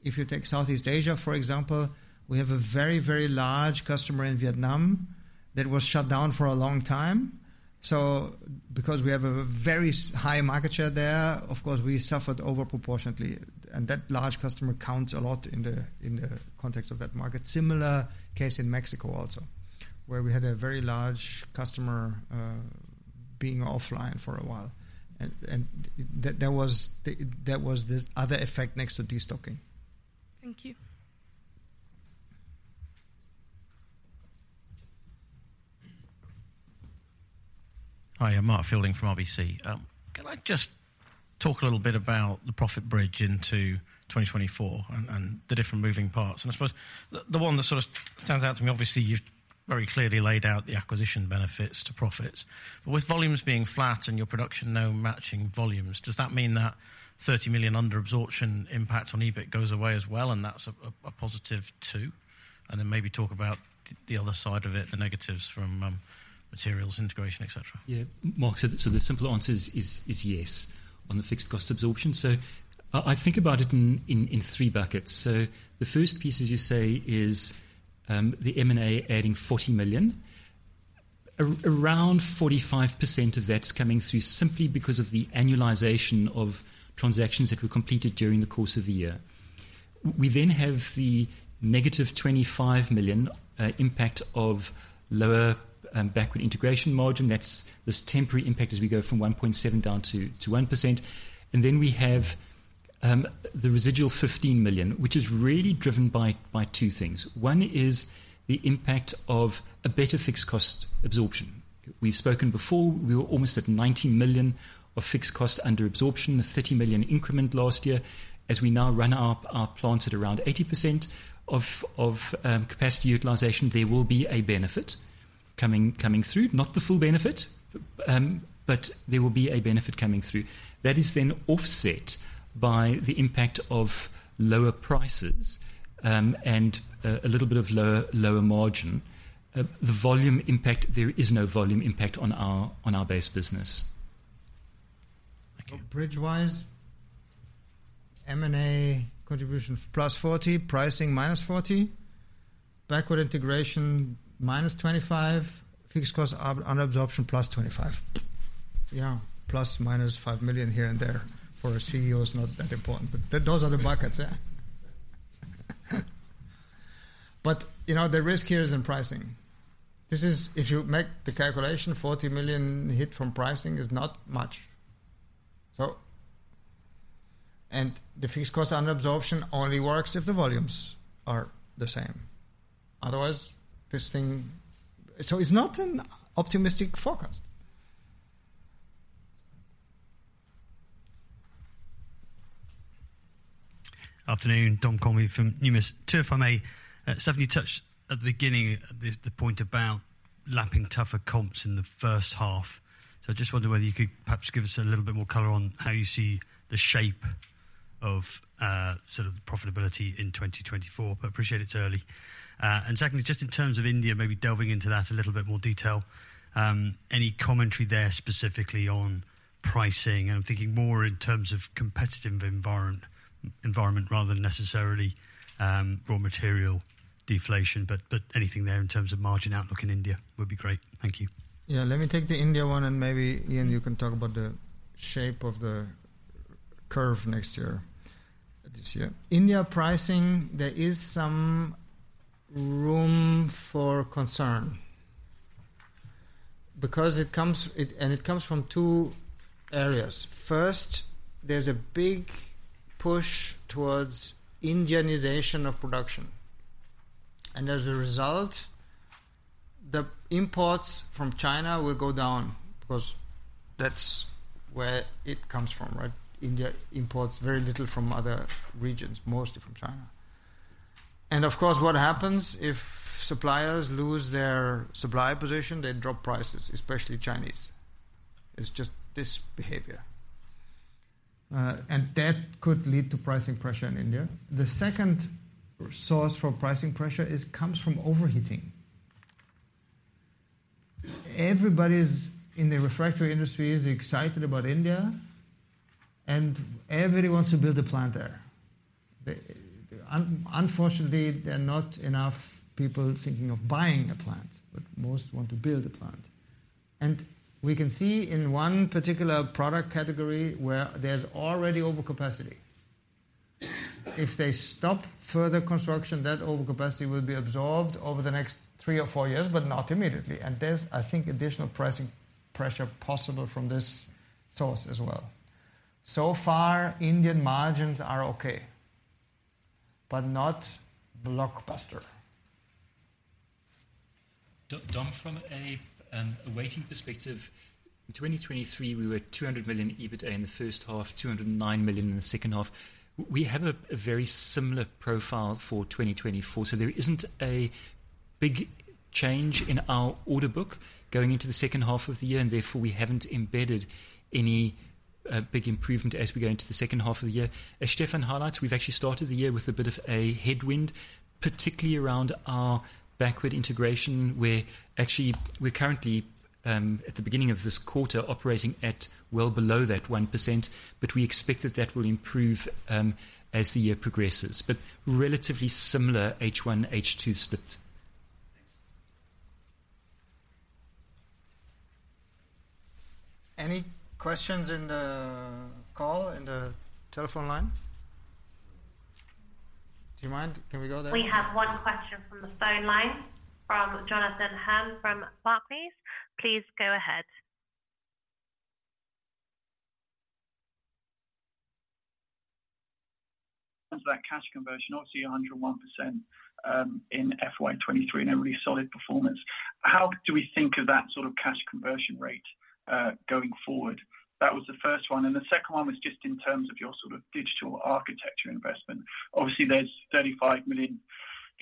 If you take Southeast Asia, for example, we have a very, very large customer in Vietnam that was shut down for a long time. So because we have a very high market share there, of course, we suffered overproportionately. And that large customer counts a lot in the context of that market. Similar case in Mexico also, where we had a very large customer being offline for a while. And that was the other effect next to destocking. Thank you. Hi, I'm Mark Fielding from RBC. Can I just talk a little bit about the profit bridge into 2024 and the different moving parts? And I suppose the one that sort of stands out to me, obviously, you've very clearly laid out the acquisition benefits to profits. But with volumes being flat and your production now matching volumes, does that mean that 30 million under absorption impact on EBIT goes away as well, and that's a positive, too? And then maybe talk about the other side of it, the negatives from materials integration, etc.? Yeah. Mark, so the simple answer is yes on the fixed cost absorption. So I think about it in three buckets. So the first piece, as you say, is the M&A adding 40 million. Around 45% of that's coming through simply because of the annualization of transactions that were completed during the course of the year. We then have the -25 million impact of lower backward integration margin. That's this temporary impact as we go from 1.7% down to 1%. And then we have the residual 15 million, which is really driven by two things. One is the impact of a better fixed cost absorption. We've spoken before. We were almost at 90 million of fixed cost under absorption, a 30 million increment last year. As we now run our plants at around 80% of capacity utilization, there will be a benefit coming through, not the full benefit, but there will be a benefit coming through. That is then offset by the impact of lower prices and a little bit of lower margin. The volume impact, there is no volume impact on our base business. Bridge-wise, M&A contribution +40 million, pricing -40 million, backward integration -25 million, fixed cost under absorption +25 million. Yeah, ±5 million here and there. For a CEO, it's not that important. But those are the buckets. Yeah. But the risk here is in pricing. If you make the calculation, 40 million hit from pricing is not much. And the fixed cost under absorption only works if the volumes are the same. Otherwise, this thing so it's not an optimistic forecast. Afternoon, Dom Convey from Numis. To, if I may, Stefan, you touched at the beginning at the point about lapping tougher comps in the first half. So I just wondered whether you could perhaps give us a little bit more color on how you see the shape of sort of profitability in 2024. But I appreciate it's early. And secondly, just in terms of India, maybe delving into that a little bit more detail, any commentary there specifically on pricing? And I'm thinking more in terms of competitive environment rather than necessarily raw material deflation. But anything there in terms of margin outlook in India would be great. Thank you. Yeah. Let me take the India one, and maybe, Ian, you can talk about the shape of the curve next year, this year. India pricing, there is some room for concern because it comes and it comes from two areas. First, there's a big push towards Indianization of production. And as a result, the imports from China will go down because that's where it comes from, right? India imports very little from other regions, mostly from China. And of course, what happens if suppliers lose their supply position? They drop prices, especially Chinese. It's just this behavior. And that could lead to pricing pressure in India. The second source for pricing pressure comes from overheating. Everybody in the refractory industry is excited about India, and everybody wants to build a plant there. Unfortunately, there are not enough people thinking of buying a plant, but most want to build a plant. We can see in one particular product category where there's already overcapacity. If they stop further construction, that overcapacity will be absorbed over the next three or four years, but not immediately. There's, I think, additional pricing pressure possible from this source as well. So far, Indian margins are okay, but not blockbuster. Dom, from a weighting perspective, in 2023, we were 200 million EBITDA in the first half, 209 million in the second half. We have a very similar profile for 2024. So there isn't a big change in our order book going into the second half of the year. And therefore, we haven't embedded any big improvement as we go into the second half of the year. As Stefan highlights, we've actually started the year with a bit of a headwind, particularly around our backward integration, where actually we're currently, at the beginning of this quarter, operating at well below that 1%. But we expect that that will improve as the year progresses. But relatively similar H1, H2 split. Any questions in the call, in the telephone line? Do you mind? Can we go there? We have one question from the phone line from Jonathan Hurn from Barclays. Please go ahead. As for that cash conversion, obviously, 101% in FY 2023 and a really solid performance. How do we think of that sort of cash conversion rate going forward? That was the first one. The second one was just in terms of your sort of digital architecture investment. Obviously, there's 35 million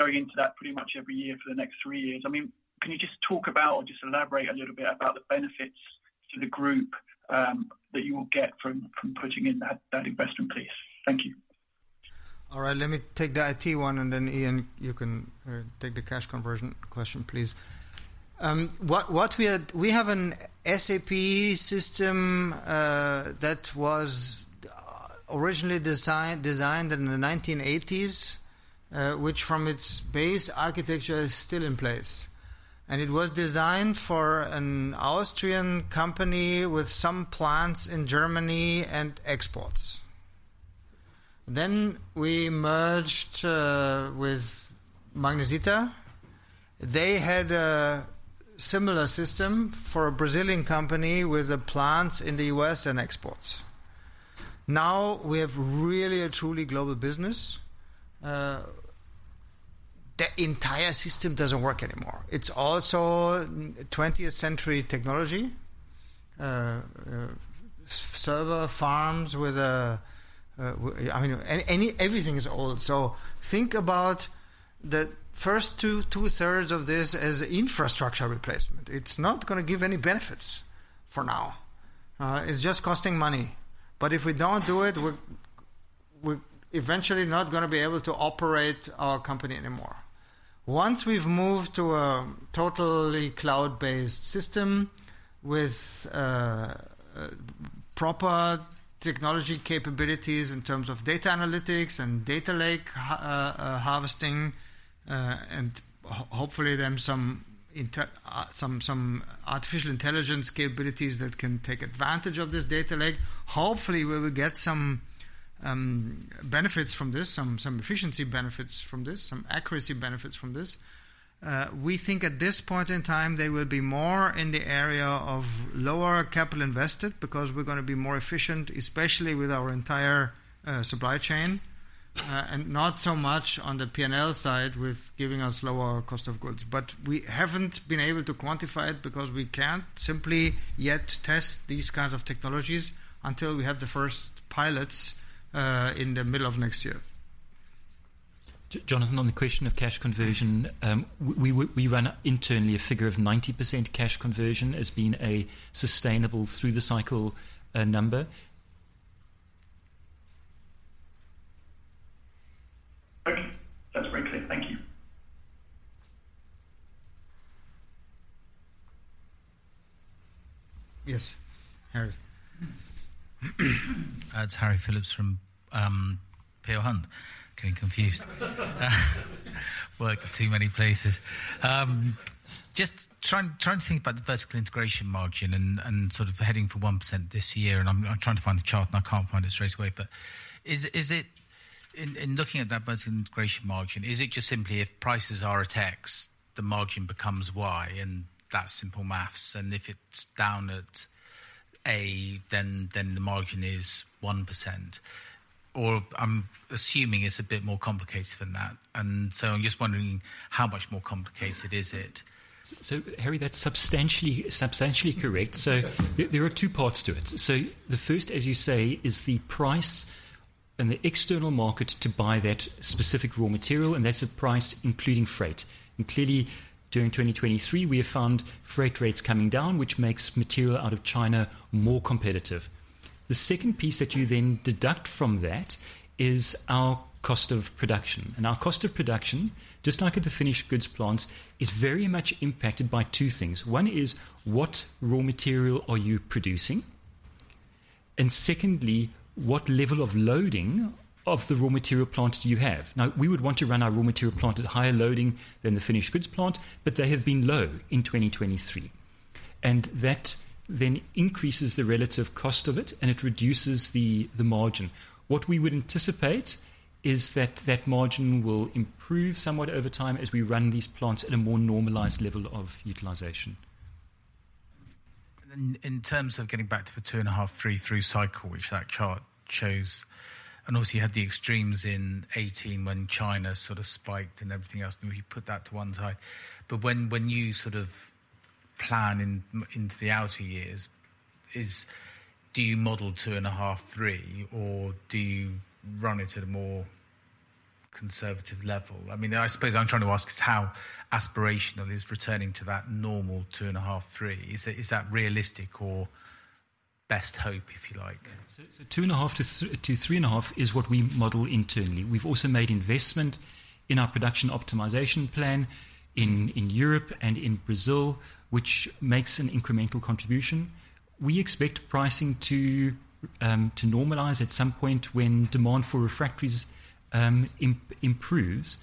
going into that pretty much every year for the next three years. I mean, can you just talk about or just elaborate a little bit about the benefits to the group that you will get from putting in that investment, please? Thank you. All right. Let me take the IT one, and then, Ian, you can take the cash conversion question, please. We have an SAP system that was originally designed in the 1980s, which from its base architecture is still in place. It was designed for an Austrian company with some plants in Germany and exports. We merged with Magnesita. They had a similar system for a Brazilian company with plants in the U.S. and exports. Now we have really a truly global business. The entire system doesn't work anymore. It's also 20th-century technology, server farms with a I mean, everything is old. So think about the first 2/3 of this as infrastructure replacement. It's not going to give any benefits for now. It's just costing money. But if we don't do it, we're eventually not going to be able to operate our company anymore. Once we've moved to a totally cloud-based system with proper technology capabilities in terms of data analytics and data lake harvesting and hopefully, then, some artificial intelligence capabilities that can take advantage of this data lake, hopefully, we will get some benefits from this, some efficiency benefits from this, some accuracy benefits from this. We think at this point in time, they will be more in the area of lower capital invested because we're going to be more efficient, especially with our entire supply chain, and not so much on the P&L side with giving us lower cost of goods. But we haven't been able to quantify it because we can't simply yet test these kinds of technologies until we have the first pilots in the middle of next year. Jonathan, on the question of cash conversion, we run internally a figure of 90% cash conversion as being a sustainable through-the-cycle number. Okay. That's very clear. Thank you. Yes, Harry. That's Harry Phillips from Peel Hunt. Getting confused. Worked at too many places. Just trying to think about the vertical integration margin and sort of heading for 1% this year. And I'm trying to find the chart, and I can't find it straight away. But in looking at that vertical integration margin, is it just simply if prices are at X, the margin becomes Y, and that's simple math? And if it's down at A, then the margin is 1%? Or I'm assuming it's a bit more complicated than that. And so I'm just wondering, how much more complicated is it? So Harry, that's substantially correct. So there are two parts to it. So the first, as you say, is the price and the external market to buy that specific raw material. And that's a price including freight. And clearly, during 2023, we have found freight rates coming down, which makes material out of China more competitive. The second piece that you then deduct from that is our cost of production. And our cost of production, just like at the finished goods plants, is very much impacted by two things. One is what raw material are you producing? And secondly, what level of loading of the raw material plant do you have? Now, we would want to run our raw material plant at higher loading than the finished goods plant, but they have been low in 2023. And that then increases the relative cost of it, and it reduces the margin. What we would anticipate is that that margin will improve somewhat over time as we run these plants at a more normalized level of utilization. Then in terms of getting back to the 2.5-3 cycle, which that chart shows, and obviously, you had the extremes in 2018 when China sort of spiked and everything else. We put that to one side. But when you sort of plan into the outer years, do you model 2.5-3, or do you run it at a more conservative level? I mean, I suppose I'm trying to ask is how aspirational is returning to that normal 2.5-3? Is that realistic or best hope, if you like? 2.5-3.5 is what we model internally. We've also made investment in our production optimization plan in Europe and in Brazil, which makes an incremental contribution. We expect pricing to normalize at some point when demand for refractories improves.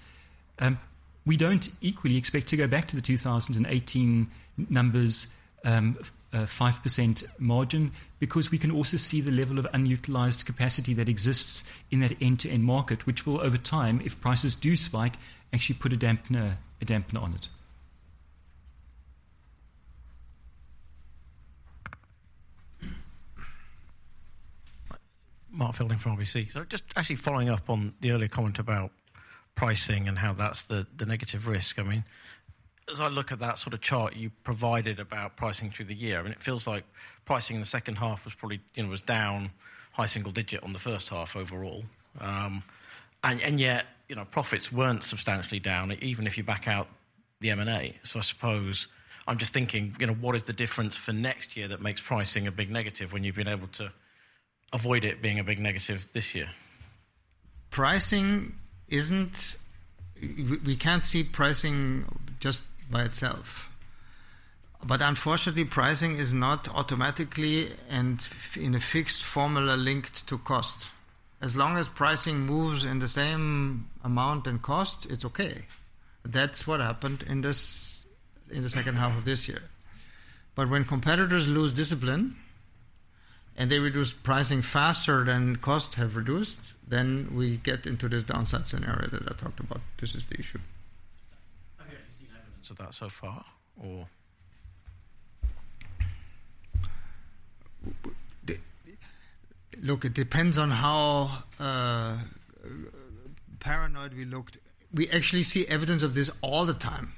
We don't equally expect to go back to the 2018 numbers, 5% margin, because we can also see the level of unutilized capacity that exists in that end-to-end market, which will, over time, if prices do spike, actually put a dampener on it. Mark Fielding from RBC. So just actually following up on the earlier comment about pricing and how that's the negative risk. I mean, as I look at that sort of chart, you provided about pricing through the year. I mean, it feels like pricing in the second half was probably down high single digit on the first half overall. And yet, profits weren't substantially down, even if you back out the M&A. So I suppose I'm just thinking, what is the difference for next year that makes pricing a big negative when you've been able to avoid it being a big negative this year? Pricing isn't. We can't see pricing just by itself. But unfortunately, pricing is not automatically and in a fixed formula linked to cost. As long as pricing moves in the same amount and cost, it's okay. That's what happened in the second half of this year. But when competitors lose discipline and they reduce pricing faster than costs have reduced, then we get into this downside scenario that I talked about. This is the issue. Have you actually seen evidence of that so far, or? Look, it depends on how paranoid we looked. We actually see evidence of this all the time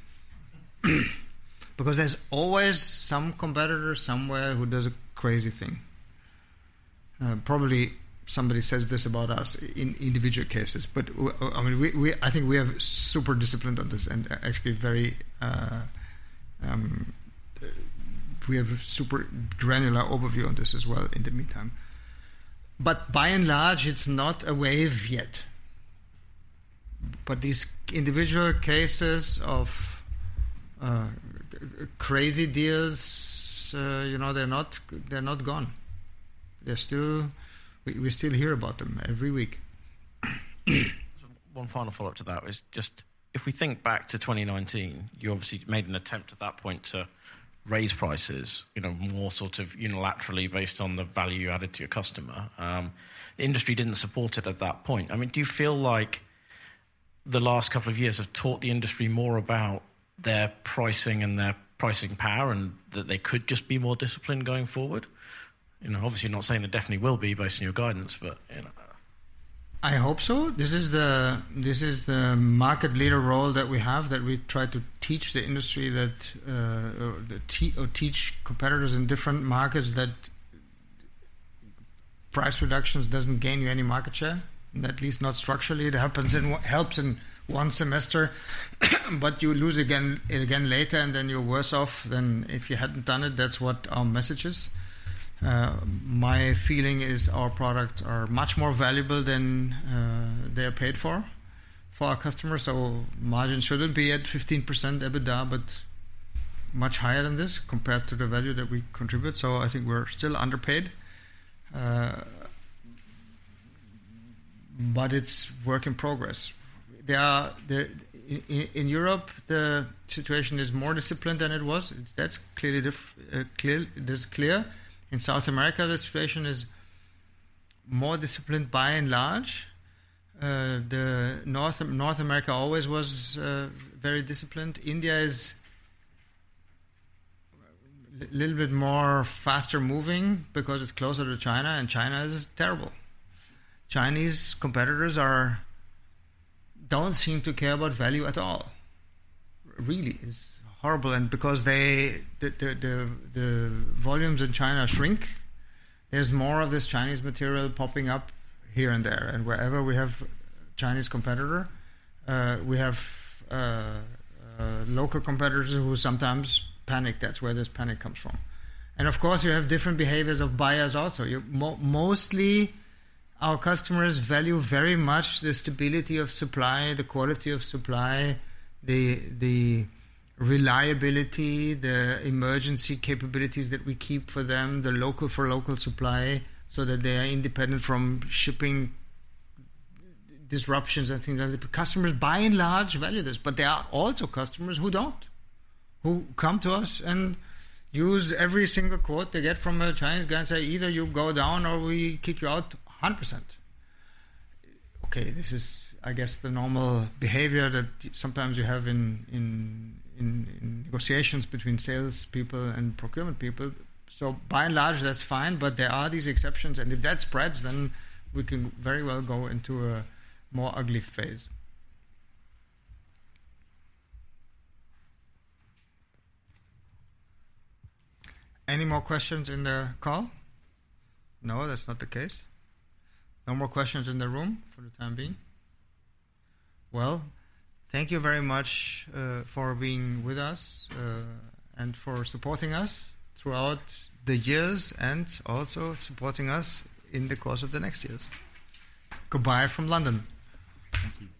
because there's always some competitor somewhere who does a crazy thing. Probably somebody says this about us in individual cases. But I mean, I think we are super disciplined on this and actually we have a super granular overview on this as well in the meantime. But by and large, it's not a wave yet. But these individual cases of crazy deals, they're not gone. We still hear about them every week. One final follow-up to that is just if we think back to 2019, you obviously made an attempt at that point to raise prices more sort of unilaterally based on the value added to your customer. The industry didn't support it at that point. I mean, do you feel like the last couple of years have taught the industry more about their pricing and their pricing power and that they could just be more disciplined going forward? Obviously, you're not saying there definitely will be based on your guidance, but. I hope so. This is the market leader role that we have, that we try to teach the industry or teach competitors in different markets that price reductions don't gain you any market share, at least not structurally. It helps in one semester, but you lose it again later, and then you're worse off than if you hadn't done it. That's what our message is. My feeling is our products are much more valuable than they are paid for for our customers. So margin shouldn't be at 15% EBITDA, but much higher than this compared to the value that we contribute. So I think we're still underpaid, but it's a work in progress. In Europe, the situation is more disciplined than it was. That's clearly clear. In South America, the situation is more disciplined by and large. North America always was very disciplined. India is a little bit more faster-moving because it's closer to China, and China is terrible. Chinese competitors don't seem to care about value at all, really. It's horrible. Because the volumes in China shrink, there's more of this Chinese material popping up here and there. Wherever we have a Chinese competitor, we have local competitors who sometimes panic. That's where this panic comes from. Of course, you have different behaviors of buyers also. Mostly, our customers value very much the stability of supply, the quality of supply, the reliability, the emergency capabilities that we keep for them, the local-for-local supply so that they are independent from shipping disruptions and things like that. Customers, by and large, value this. But there are also customers who don't, who come to us and use every single quote they get from a Chinese guy and say, "Either you go down, or we kick you out 100%." Okay, this is, I guess, the normal behavior that sometimes you have in negotiations between salespeople and procurement people. So by and large, that's fine. But there are these exceptions. And if that spreads, then we can very well go into a more ugly phase. Any more questions in the call? No, that's not the case. No more questions in the room for the time being? Well, thank you very much for being with us and for supporting us throughout the years and also supporting us in the course of the next years. Goodbye from London. Thank you.